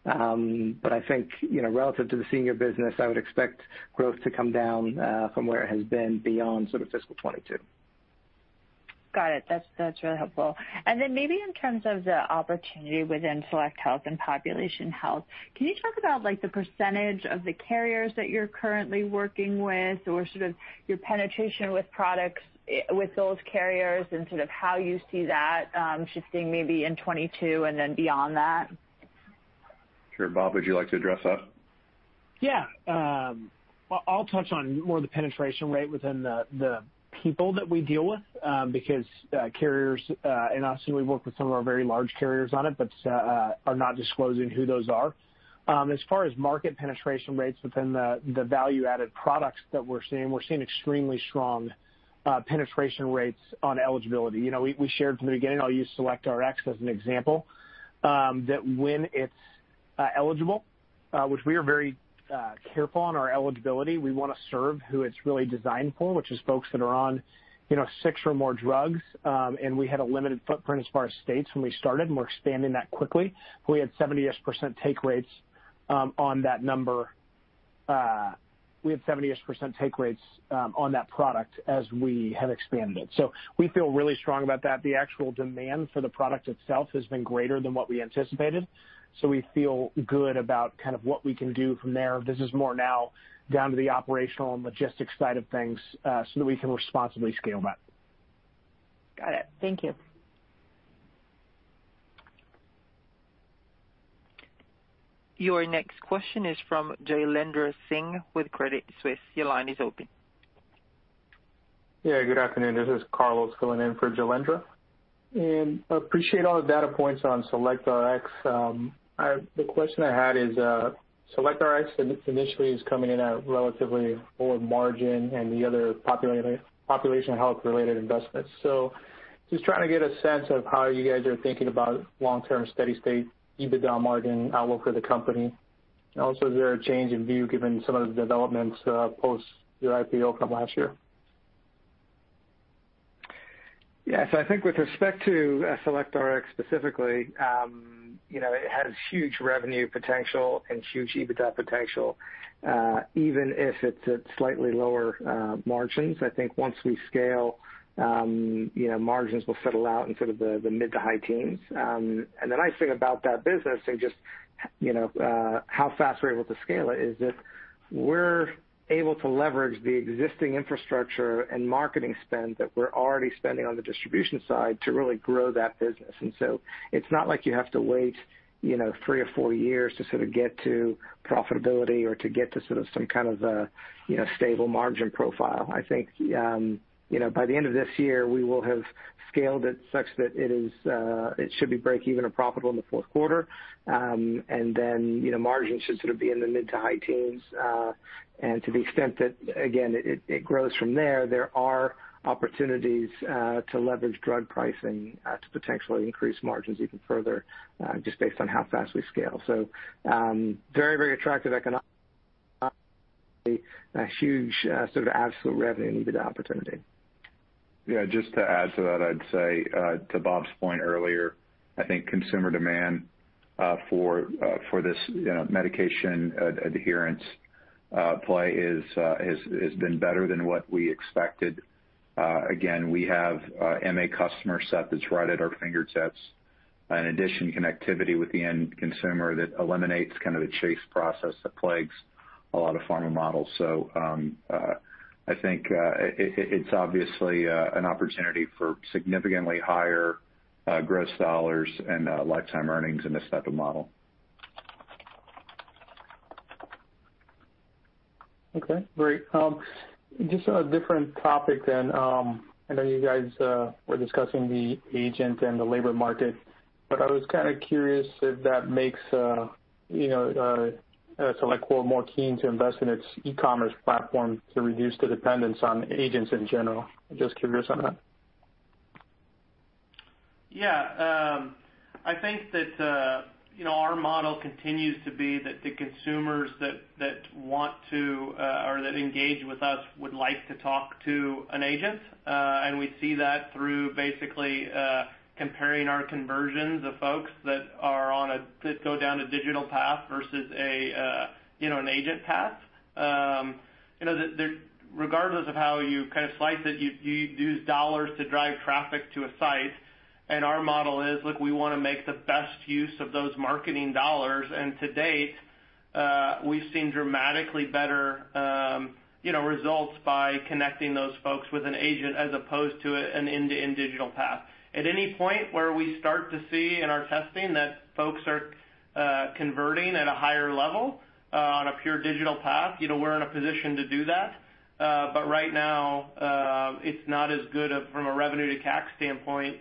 I think relative to the senior business, I would expect growth to come down from where it has been beyond sort of FY 2022. Got it. That's really helpful. Then maybe in terms of the opportunity within SelectRx and Population Health, can you talk about the percentage of the carriers that you're currently working with or sort of your penetration with products with those carriers and sort of how you see that shifting maybe in 2022 and then beyond that? Sure. Bob, would you like to address that? Yeah. I'll touch on more the penetration rate within the people that we deal with, because carriers, and obviously we've worked with some of our very large carriers on it, but are not disclosing who those are. As far as market penetration rates within the value-added products that we're seeing, we're seeing extremely strong penetration rates on eligibility. We shared from the beginning, I'll use SelectRx as an example, that when it's eligible, which we are very careful on our eligibility, we want to serve who it's really designed for, which is folks that are on six or more drugs. We had a limited footprint as far as states when we started, and we're expanding that quickly. We had 78% take rates on that product as we have expanded it. We feel really strong about that. The actual demand for the product itself has been greater than what we anticipated. We feel good about what we can do from there. This is more now down to the operational and logistics side of things, so that we can responsibly scale that. Got it. Thank you. Your next question is from Jailendra Singh with Credit Suisse. Your line is open. Yeah, good afternoon. This is Carlos filling in for Jailendra. Appreciate all the data points on SelectRx. The question I had is, SelectRx initially is coming in at relatively lower margin and the other Population Health related investments. Just trying to get a sense of how you guys are thinking about long-term steady state EBITDA margin outlook for the company. Also, is there a change in view given some of the developments post your IPO from last year? Yeah. I think with respect to SelectRx specifically, it has huge revenue potential and huge EBITDA potential, even if it's at slightly lower margins. I think once we scale, margins will settle out in sort of the mid to high teens. The nice thing about that business and just how fast we're able to scale it is that we're able to leverage the existing infrastructure and marketing spend that we're already spending on the distribution side to really grow that business. It's not like you have to wait three or four years to sort of get to profitability or to get to some kind of stable margin profile. I think, by the end of this year, we will have scaled it such that it should be breakeven or profitable in the fourth quarter. Margins should sort of be in the mid to high teens. To the extent that, again, it grows from there are opportunities to leverage drug pricing to potentially increase margins even further, just based on how fast we scale. Very attractive economically and a huge sort of absolute revenue and EBITDA opportunity. Just to add to that, I'd say, to Bob's point earlier, I think consumer demand for this medication adherence play has been better than what we expected. Again, we have MA customer set that's right at our fingertips. In addition, connectivity with the end consumer that eliminates kind of the chase process that plagues a lot of pharma models. I think it's obviously an opportunity for significantly higher gross dollars and lifetime earnings in this type of model. Okay, great. Just on a different topic then. I know you guys were discussing the agent and the labor market, but I was kind of curious if that makes SelectQuote more keen to invest in its e-commerce platform to reduce the dependence on agents in general. Just curious on that. Yeah. I think that our model continues to be that the consumers that want to or that engage with us would like to talk to an agent. We see that through basically comparing our conversions of folks that go down a digital path versus an agent path. Regardless of how you kind of slice it, you use dollars to drive traffic to a site, and our model is, look, we want to make the best use of those marketing dollars. To date, we've seen dramatically better results by connecting those folks with an agent as opposed to an end-to-end digital path. At any point where we start to see in our testing that folks are converting at a higher level on a pure digital path, we're in a position to do that. Right now, it's not as good from a revenue to CAC standpoint.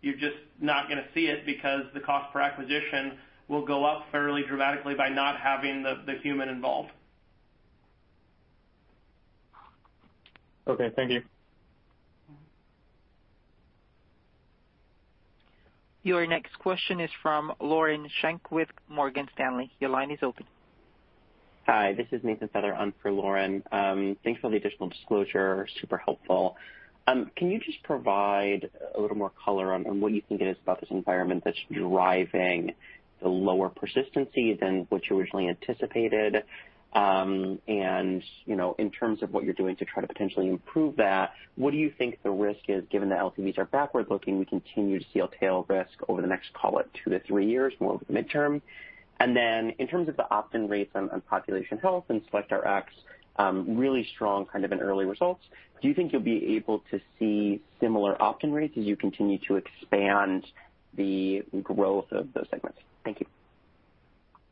You're just not going to see it because the cost per acquisition will go up fairly dramatically by not having the human involved. Okay, thank you. Your next question is from Lauren Schenk with Morgan Stanley. Your line is open. Hi. This is Nathan Feather on for Lauren. Thanks for all the additional disclosure. Super helpful. Can you just provide a little more color on what you think it is about this environment that's driving the lower persistency than what you originally anticipated? In terms of what you're doing to try to potentially improve that, what do you think the risk is given that LTVs are backward looking, we continue to see a tail risk over the next, call it two-three years, more of the midterm? Then in terms of the opt-in rates on Population Health and SelectRx, really strong kind of in early results. Do you think you'll be able to see similar opt-in rates as you continue to expand the growth of those segments? Thank you.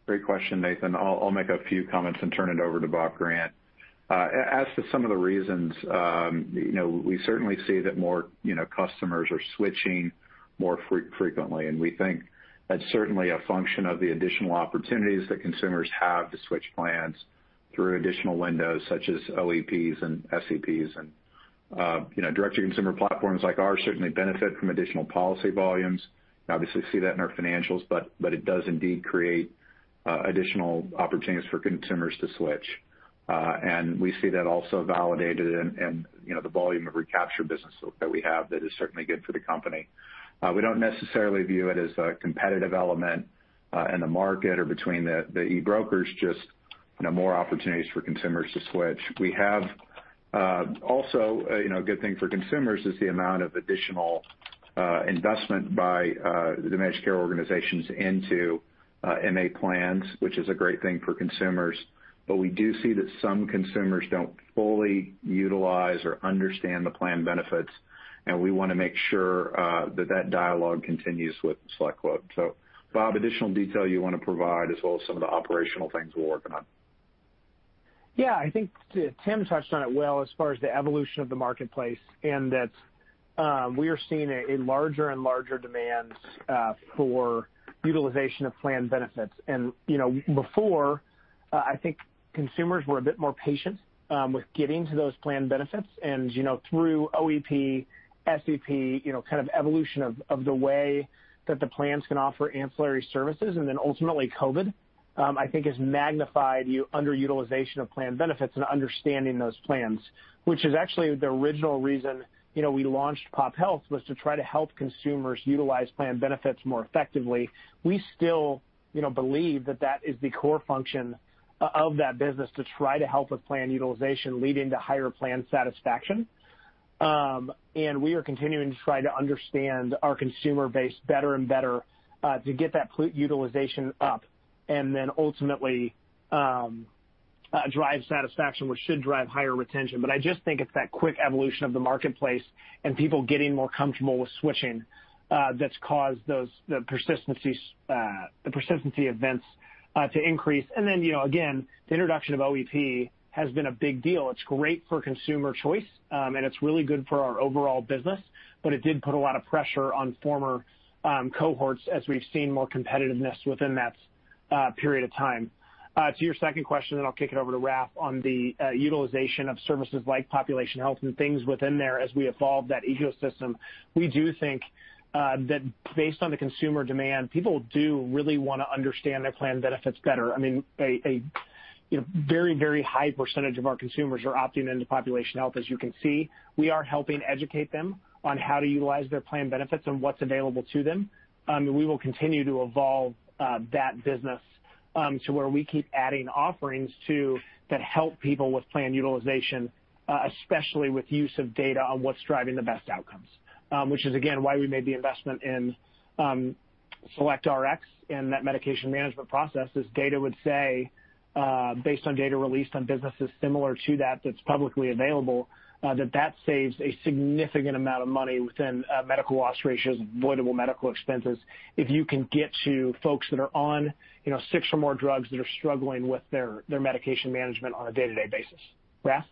Great question, Nathan. I'll make a few comments and turn it over to Bob Grant. As to some of the reasons, we certainly see that more customers are switching more frequently, and we think that's certainly a function of the additional opportunities that consumers have to switch plans through additional windows such as OEPs and SEPs. Direct-to-consumer platforms like ours certainly benefit from additional policy volumes. You obviously see that in our financials, but it does indeed create additional opportunities for consumers to switch. We see that also validated in the volume of recapture business that we have that is certainly good for the company. We don't necessarily view it as a competitive element in the market or between the e-brokers, just more opportunities for consumers to switch. A good thing for consumers is the amount of additional investment by the managed care organizations into MA plans, which is a great thing for consumers. We do see that some consumers don't fully utilize or understand the plan benefits, and we want to make sure that that dialogue continues with SelectQuote. Bob, additional detail you want to provide, as well as some of the operational things we're working on? Yeah, I think Tim touched on it well as far as the evolution of the marketplace. We are seeing a larger and larger demand for utilization of plan benefits. Before, I think consumers were a bit more patient with getting to those plan benefits. Through OEP, SEP, kind of evolution of the way that the plans can offer ancillary services, and then ultimately COVID, I think has magnified underutilization of plan benefits and understanding those plans. Which is actually the original reason we launched Population Health, was to try to help consumers utilize plan benefits more effectively. We still believe that that is the core function of that business, to try to help with plan utilization, leading to higher plan satisfaction. We are continuing to try to understand our consumer base better and better, to get that utilization up, and then ultimately drive satisfaction, which should drive higher retention. I just think it's that quick evolution of the marketplace and people getting more comfortable with switching that's caused the persistency events to increase. Again, the introduction of OEP has been a big deal. It's great for consumer choice, and it's really good for our overall business. It did put a lot of pressure on former cohorts as we've seen more competitiveness within that period of time. To your second question, I'll kick it over to Raff on the utilization of services like Population Health and things within there as we evolve that ecosystem. We do think that based on the consumer demand, people do really want to understand their plan benefits better. A very high percentage of our consumers are opting into Population Health, as you can see. We are helping educate them on how to utilize their plan benefits and what's available to them. We will continue to evolve that business to where we keep adding offerings too, that help people with plan utilization, especially with use of data on what's driving the best outcomes. Which is, again, why we made the investment in SelectRx and that medication management process, as data would say based on data released on businesses similar to that that's publicly available, that that saves a significant amount of money within medical loss ratios and avoidable medical expenses if you can get to folks that are on six or more drugs that are struggling with their medication management on a day-to-day basis. Raff?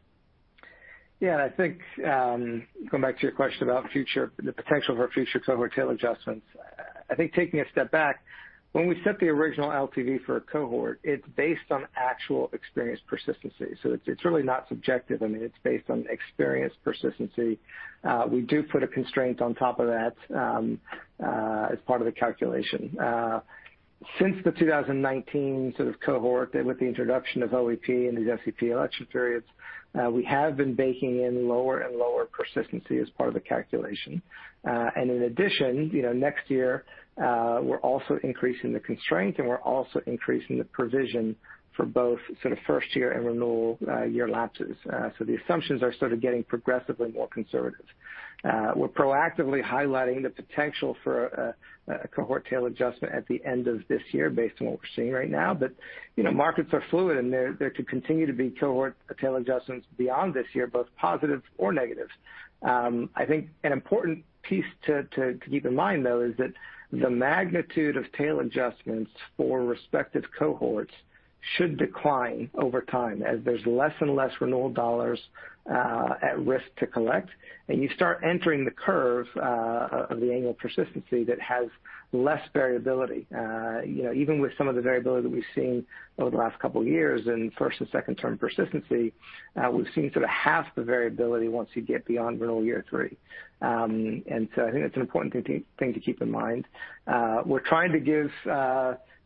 Yeah, I think, going back to your question about the potential for future cohort tail adjustments, I think taking a step back, when we set the original LTV for a cohort, it's based on actual experienced persistency. It's really not subjective. It's based on experienced persistency. We do put a constraint on top of that as part of the calculation. Since the 2019 sort of cohort with the introduction of OEP and these SEP election periods, we have been baking in lower and lower persistency as part of the calculation. In addition, next year, we're also increasing the constraint, and we're also increasing the provision for both sort of first year and renewal year lapses. The assumptions are sort of getting progressively more conservative. We're proactively highlighting the potential for a cohort tail adjustment at the end of this year based on what we're seeing right now. Markets are fluid, and there could continue to be cohort tail adjustments beyond this year, both positive or negative. I think an important piece to keep in mind, though, is that the magnitude of tail adjustments for respective cohorts should decline over time as there's less and less renewal dollars at risk to collect, and you start entering the curve of the annual persistency that has less variability. Even with some of the variability we've seen over the last couple of years in first and second-term persistency, we've seen sort of half the variability once you get beyond renewal year three. I think that's an important thing to keep in mind. We're trying to give the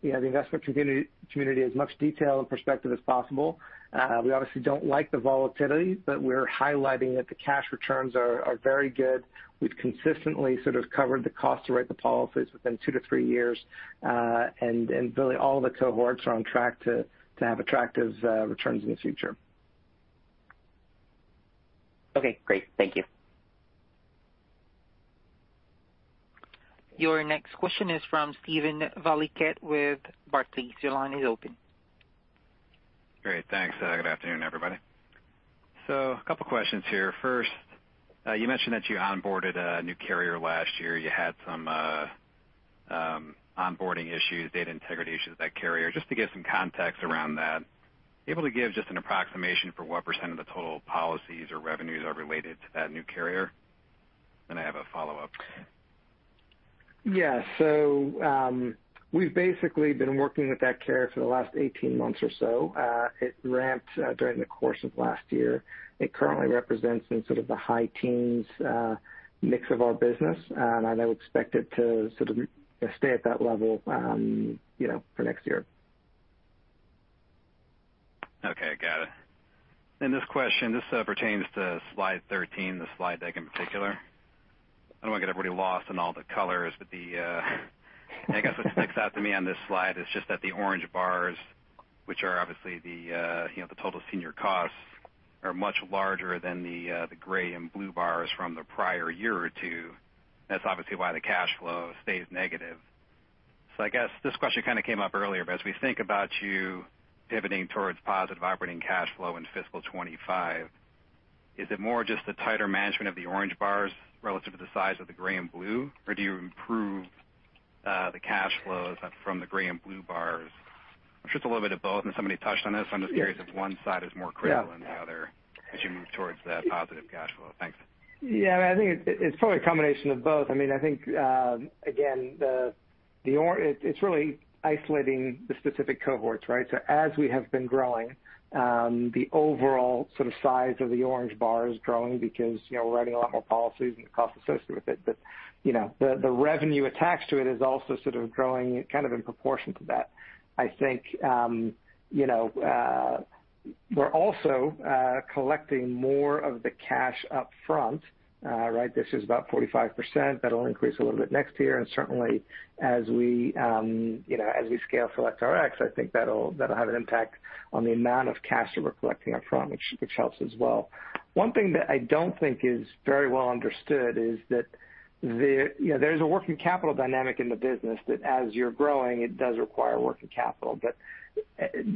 investment community as much detail and perspective as possible. We obviously don't like the volatility, but we're highlighting that the cash returns are very good. We've consistently sort of covered the cost to write the policies within two-three years. Really all of the cohorts are on track to have attractive returns in the future. Okay, great. Thank you. Your next question is from Steven Valiquette with Barclays. Your line is open. Great. Thanks. Good afternoon, everybody. Two questions here. First, you mentioned that you onboarded a new carrier last year. You had some onboarding issues, data integrity issues with that carrier. Just to give some context around that, able to give just an approximation for what percentage of the total policies or revenues are related to that new carrier? I have a follow-up. Yeah. We've basically been working with that carrier for the last 18 months or so. It ramped during the course of last year. It currently represents in sort of the high teens mix of our business, and I would expect it to sort of stay at that level for next year. Okay. Got it. This question pertains to slide 13, the slide deck in particular. I don't want to get everybody lost in all the colors, but I guess what sticks out to me on this slide is just that the orange bars, which are obviously the total senior costs, are much larger than the gray and blue bars from the prior year or two years. That's obviously why the cash flow stays negative. I guess this question kind of came up earlier, but as we think about you pivoting towards positive operating cash flow in FY 2025, is it more just the tighter management of the orange bars relative to the size of the gray and blue, or do you improve the cash flows from the gray and blue bars? Or just a little bit of both? Somebody touched on this. I'm just curious if one side is more critical than the other as you move towards that positive cash flow? Thanks. Yeah, I think it's probably a combination of both. I think, again, it's really isolating the specific cohorts, right? As we have been growing, the overall sort of size of the orange bar is growing because we're writing a lot more policies and the cost associated with it. The revenue attached to it is also sort of growing kind of in proportion to that. I think we're also collecting more of the cash up front. This is about 45%. That'll increase a little bit next year. Certainly as we scale SelectRx, I think that'll have an impact on the amount of cash that we're collecting up front, which helps as well. One thing that I don't think is very well understood is that there's a working capital dynamic in the business that as you're growing, it does require working capital,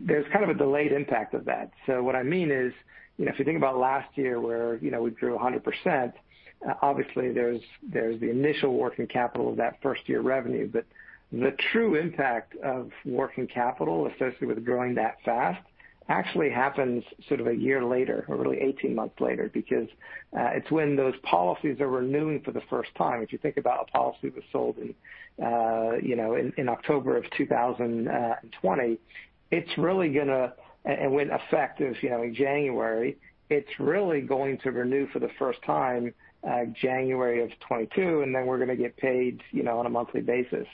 there's kind of a delayed impact of that. What I mean is, if you think about last year where we grew 100%, obviously there's the initial working capital of that first-year revenue. The true impact of working capital associated with growing that fast actually happens sort of a year later, or really 18 months later, because it's when those policies are renewing for the first time. If you think about a policy that sold in October of 2020, and went effective in January, it's really going to renew for the first time, January of 2022, then we're going to get paid on a monthly basis.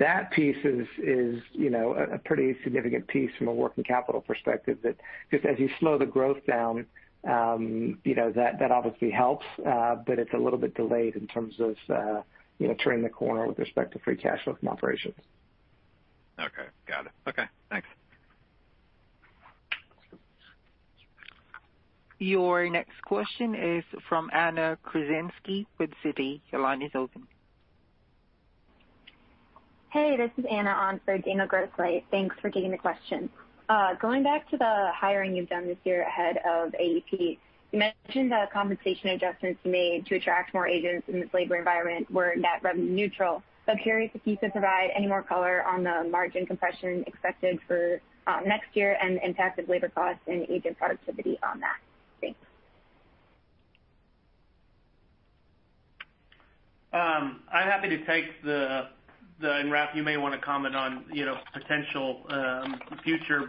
That piece is a pretty significant piece from a working capital perspective that as you slow the growth down, that obviously helps, but it's a little bit delayed in terms of turning the corner with respect to free cash flow from operations. Okay. Got it. Okay, thanks. Your next question is from Anna Krezinski with Citi. Your line is open. Hey, this is Anna on for Daniel Grosslight. Thanks for taking the question. Going back to the hiring you've done this year ahead of AEP, you mentioned that compensation adjustments made to attract more agents in this labor environment were net revenue neutral. Curious if you could provide any more color on the margin compression expected for next year and the impact of labor costs and agent productivity on that. Thanks. I'm happy to take that, and Raff. You may want to comment on potential future,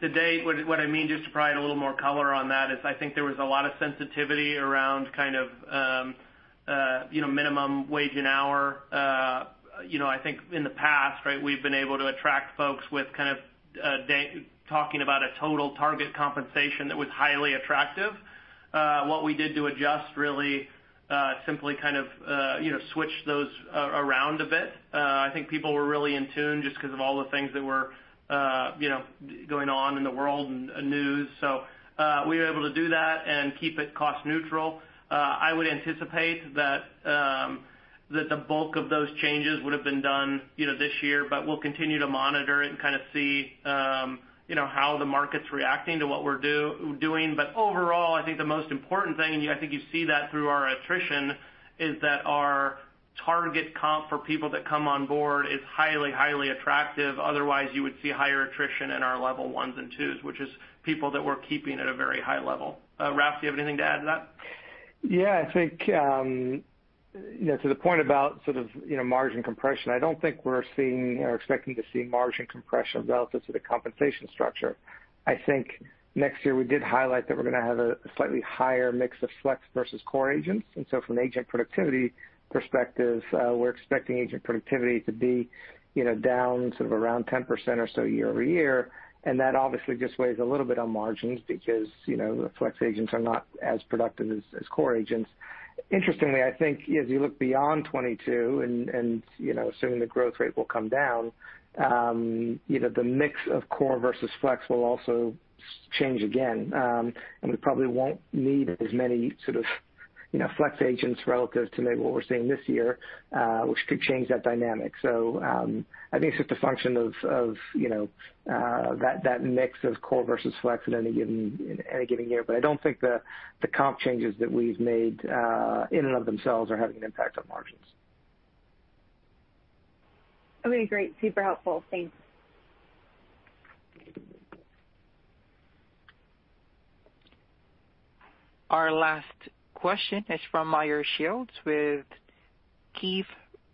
to date, what I mean, just to provide a little more color on that, is I think there was a lot of sensitivity around kind of minimum wage an hour. I think in the past, we've been able to attract folks with kind of talking about a total target compensation that was highly attractive. What we did to adjust really, simply kind of switch those around a bit. I think people were really in tune just because of all the things that were going on in the world and news. We were able to do that and keep it cost neutral. I would anticipate that the bulk of those changes would've been done this year, but we'll continue to monitor it and kind of see how the market's reacting to what we're doing. Overall, I think the most important thing, and I think you see that through our attrition, is that our target comp for people that come on board is highly attractive. Otherwise, you would see higher attrition in our level 1s and 2s, which is people that we're keeping at a very high level. Raff, do you have anything to add to that? I think to the point about sort of margin compression, I don't think we're seeing or expecting to see margin compression relative to the compensation structure. I think next year we did highlight that we're going to have a slightly higher mix of flex versus core agents. From an agent productivity perspective, we're expecting agent productivity to be down sort of around 10% or so year-over-year. That obviously just weighs a little bit on margins because flex agents are not as productive as core agents. Interestingly, I think as you look beyond 2022 and assuming the growth rate will come down, the mix of core versus flex will also change again. We probably won't need as many sort of flex agents relative to maybe what we're seeing this year, which could change that dynamic. I think it's just a function of that mix of core versus flex in any given year. I don't think the comp changes that we've made in and of themselves are having an impact on margins. Okay, great. Super helpful. Thanks. Our last question is from Meyer Shields with Keefe,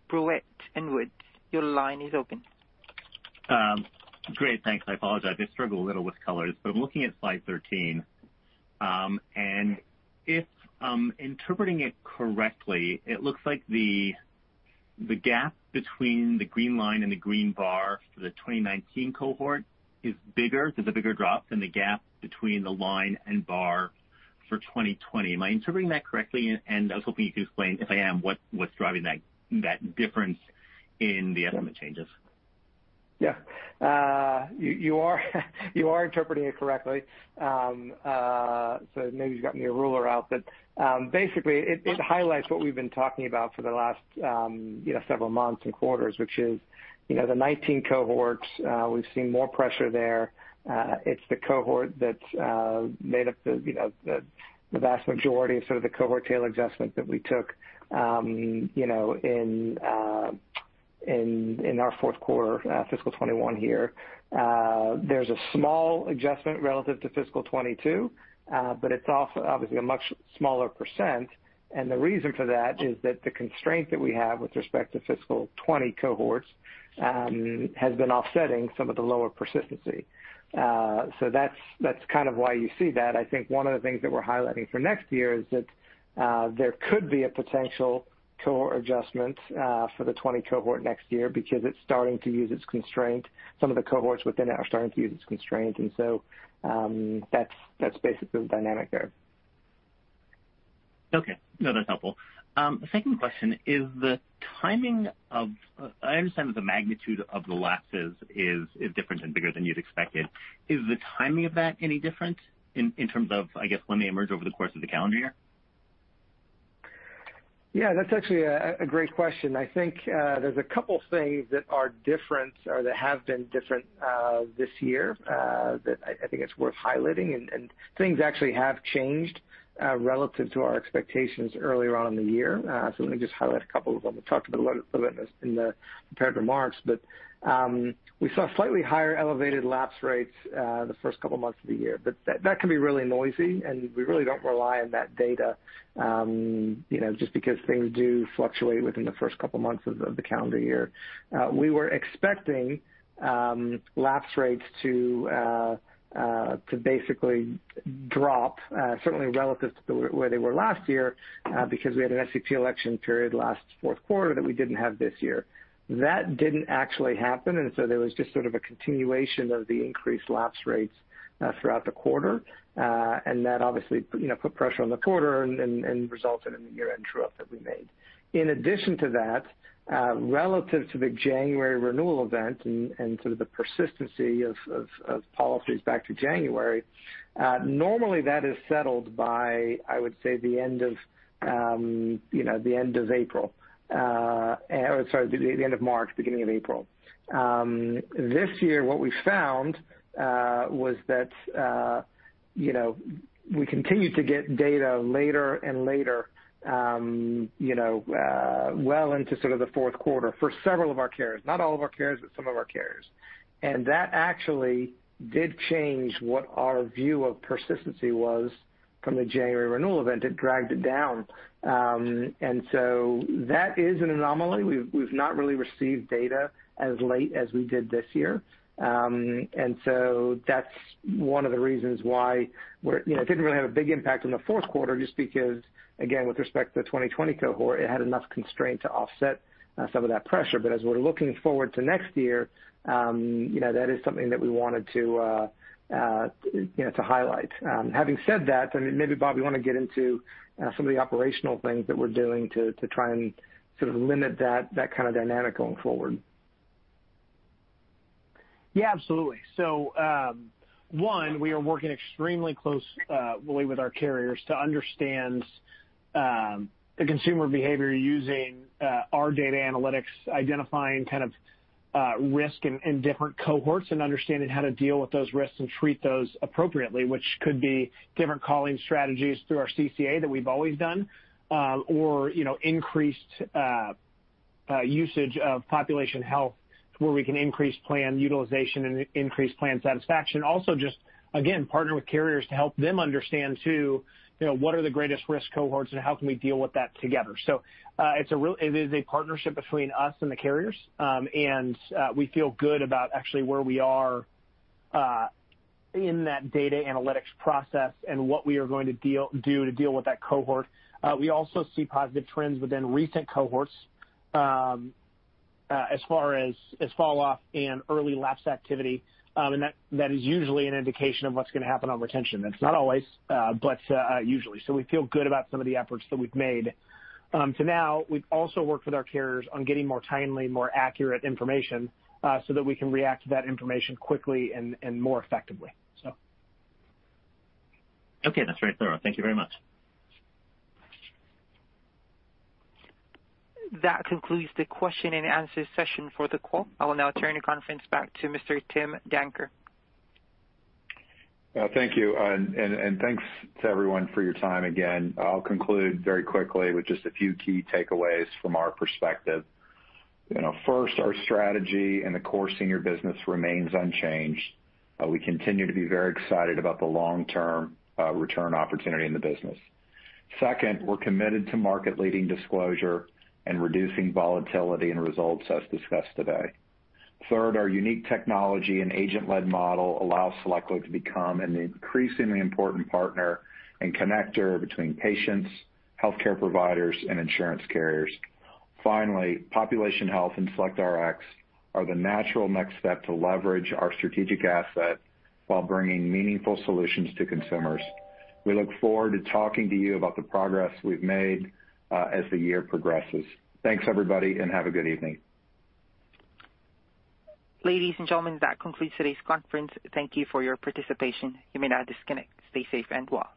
Bruyette & Woods. Your line is open. Great. Thanks. I apologize. I struggle a little with colors, but I'm looking at slide 13. If I'm interpreting it correctly, it looks like the gap between the green line and the green bar for the 2019 cohort is bigger. There's a bigger drop than the gap between the line and bar for 2020. Am I interpreting that correctly? I was hoping you could explain, if I am, what's driving that difference in the estimate changes? Yeah. You are interpreting it correctly. You got me a ruler out, but basically it highlights what we've been talking about for the last several months and quarters, which is the 2019 cohorts, we've seen more pressure there. It's the cohort that's made up the vast majority of sort of the cohort tail adjustment that we took in our fourth quarter fiscal 2021 here. There's a small adjustment relative to fiscal 2022, but it's also obviously a much smaller percent. The reason for that is that the constraint that we have with respect to fiscal 2020 cohorts has been offsetting some of the lower persistency. That's kind of why you see that. I think one of the things that we're highlighting for next year is that there could be a potential cohort adjustment for the 2020 cohort next year because it's starting to use its constraint. Some of the cohorts within it are starting to use its constraint. That's basically the dynamic there. Okay. No, that's helpful. Second question: I understand that the magnitude of the lapses is different and bigger than you'd expected. Is the timing of that any different in terms of, I guess, when they emerge over the course of the calendar year? Yeah, that's actually a great question. I think there's two things that are different or that have been different this year that I think it's worth highlighting, and things actually have changed relative to our expectations earlier on in the year. Let me just highlight two of them. I talked a little bit in the prepared remarks, but we saw slightly higher elevated lapse rates the first two months of the year, but that can be really noisy, and we really don't rely on that data just because things do fluctuate within the first two months of the calendar year. We were expecting lapse rates to basically drop certainly relative to where they were last year because we had an SEP election period last fourth quarter that we didn't have this year. That didn't actually happen. There was just sort of a continuation of the increased lapse rates throughout the quarter. That obviously put pressure on the quarter and resulted in the year-end true-up that we made. In addition to that, relative to the January renewal event and sort of the persistency of policies back to January, normally that is settled by, I would say, the end of April. Sorry, the end of March, beginning of April. This year, what we found was that we continued to get data later and later, well into sort of the fourth quarter for several of our carriers. Not all of our carriers, but some of our carriers. That actually did change what our view of persistency was from the January renewal event. It dragged it down. That is an anomaly. We've not really received data as late as we did this year. That is one of the reasons why it didn't really have a big impact on the fourth quarter, just because, again, with respect to the 2020 cohort, it had enough constraint to offset some of that pressure. As we're looking forward to next year, that is something that we wanted to highlight. Having said that, and maybe, Bob, you want to get into some of the operational things that we're doing to try and sort of limit that kind of dynamic going forward. Yeah, absolutely. One, we are working extremely closely with our carriers to understand the consumer behavior using our data analytics, identifying kind of risk in different cohorts, and understanding how to deal with those risks and treat those appropriately, which could be different calling strategies through our CCA that we've always done or increased usage of Population Health where we can increase plan utilization and increase plan satisfaction. Also just, again, partner with carriers to help them understand, too, what are the greatest risk cohorts, and how can we deal with that together? It is a partnership between us and the carriers, and we feel good about actually where we are in that data analytics process and what we are going to do to deal with that cohort. We also see positive trends within recent cohorts as far as fall off and early lapse activity, and that is usually an indication of what's going to happen on retention. That's not always, but usually. We feel good about some of the efforts that we've made to now. We've also worked with our carriers on getting more timely, more accurate information so that we can react to that information quickly and more effectively. Okay. That's very thorough. Thank you very much. That concludes the question and answer session for the call. I will now turn the conference back to Mr. Tim Danker. Thank you, and thanks to everyone for your time again. I'll conclude very quickly with just a few key takeaways from our perspective. First, our strategy in the core senior business remains unchanged. We continue to be very excited about the long-term return opportunity in the business. Second, we're committed to market-leading disclosure and reducing volatility and results as discussed today. Third, our unique technology and agent-led model allow SelectQuote to become an increasingly important partner and connector between patients, healthcare providers, and insurance carriers. Finally, Population Health and SelectRx are the natural next step to leverage our strategic asset while bringing meaningful solutions to consumers. We look forward to talking to you about the progress we've made as the year progresses. Thanks, everybody, and have a good evening. Ladies and gentlemen, that concludes today's conference. Thank you for your participation. You may now disconnect. Stay safe and well.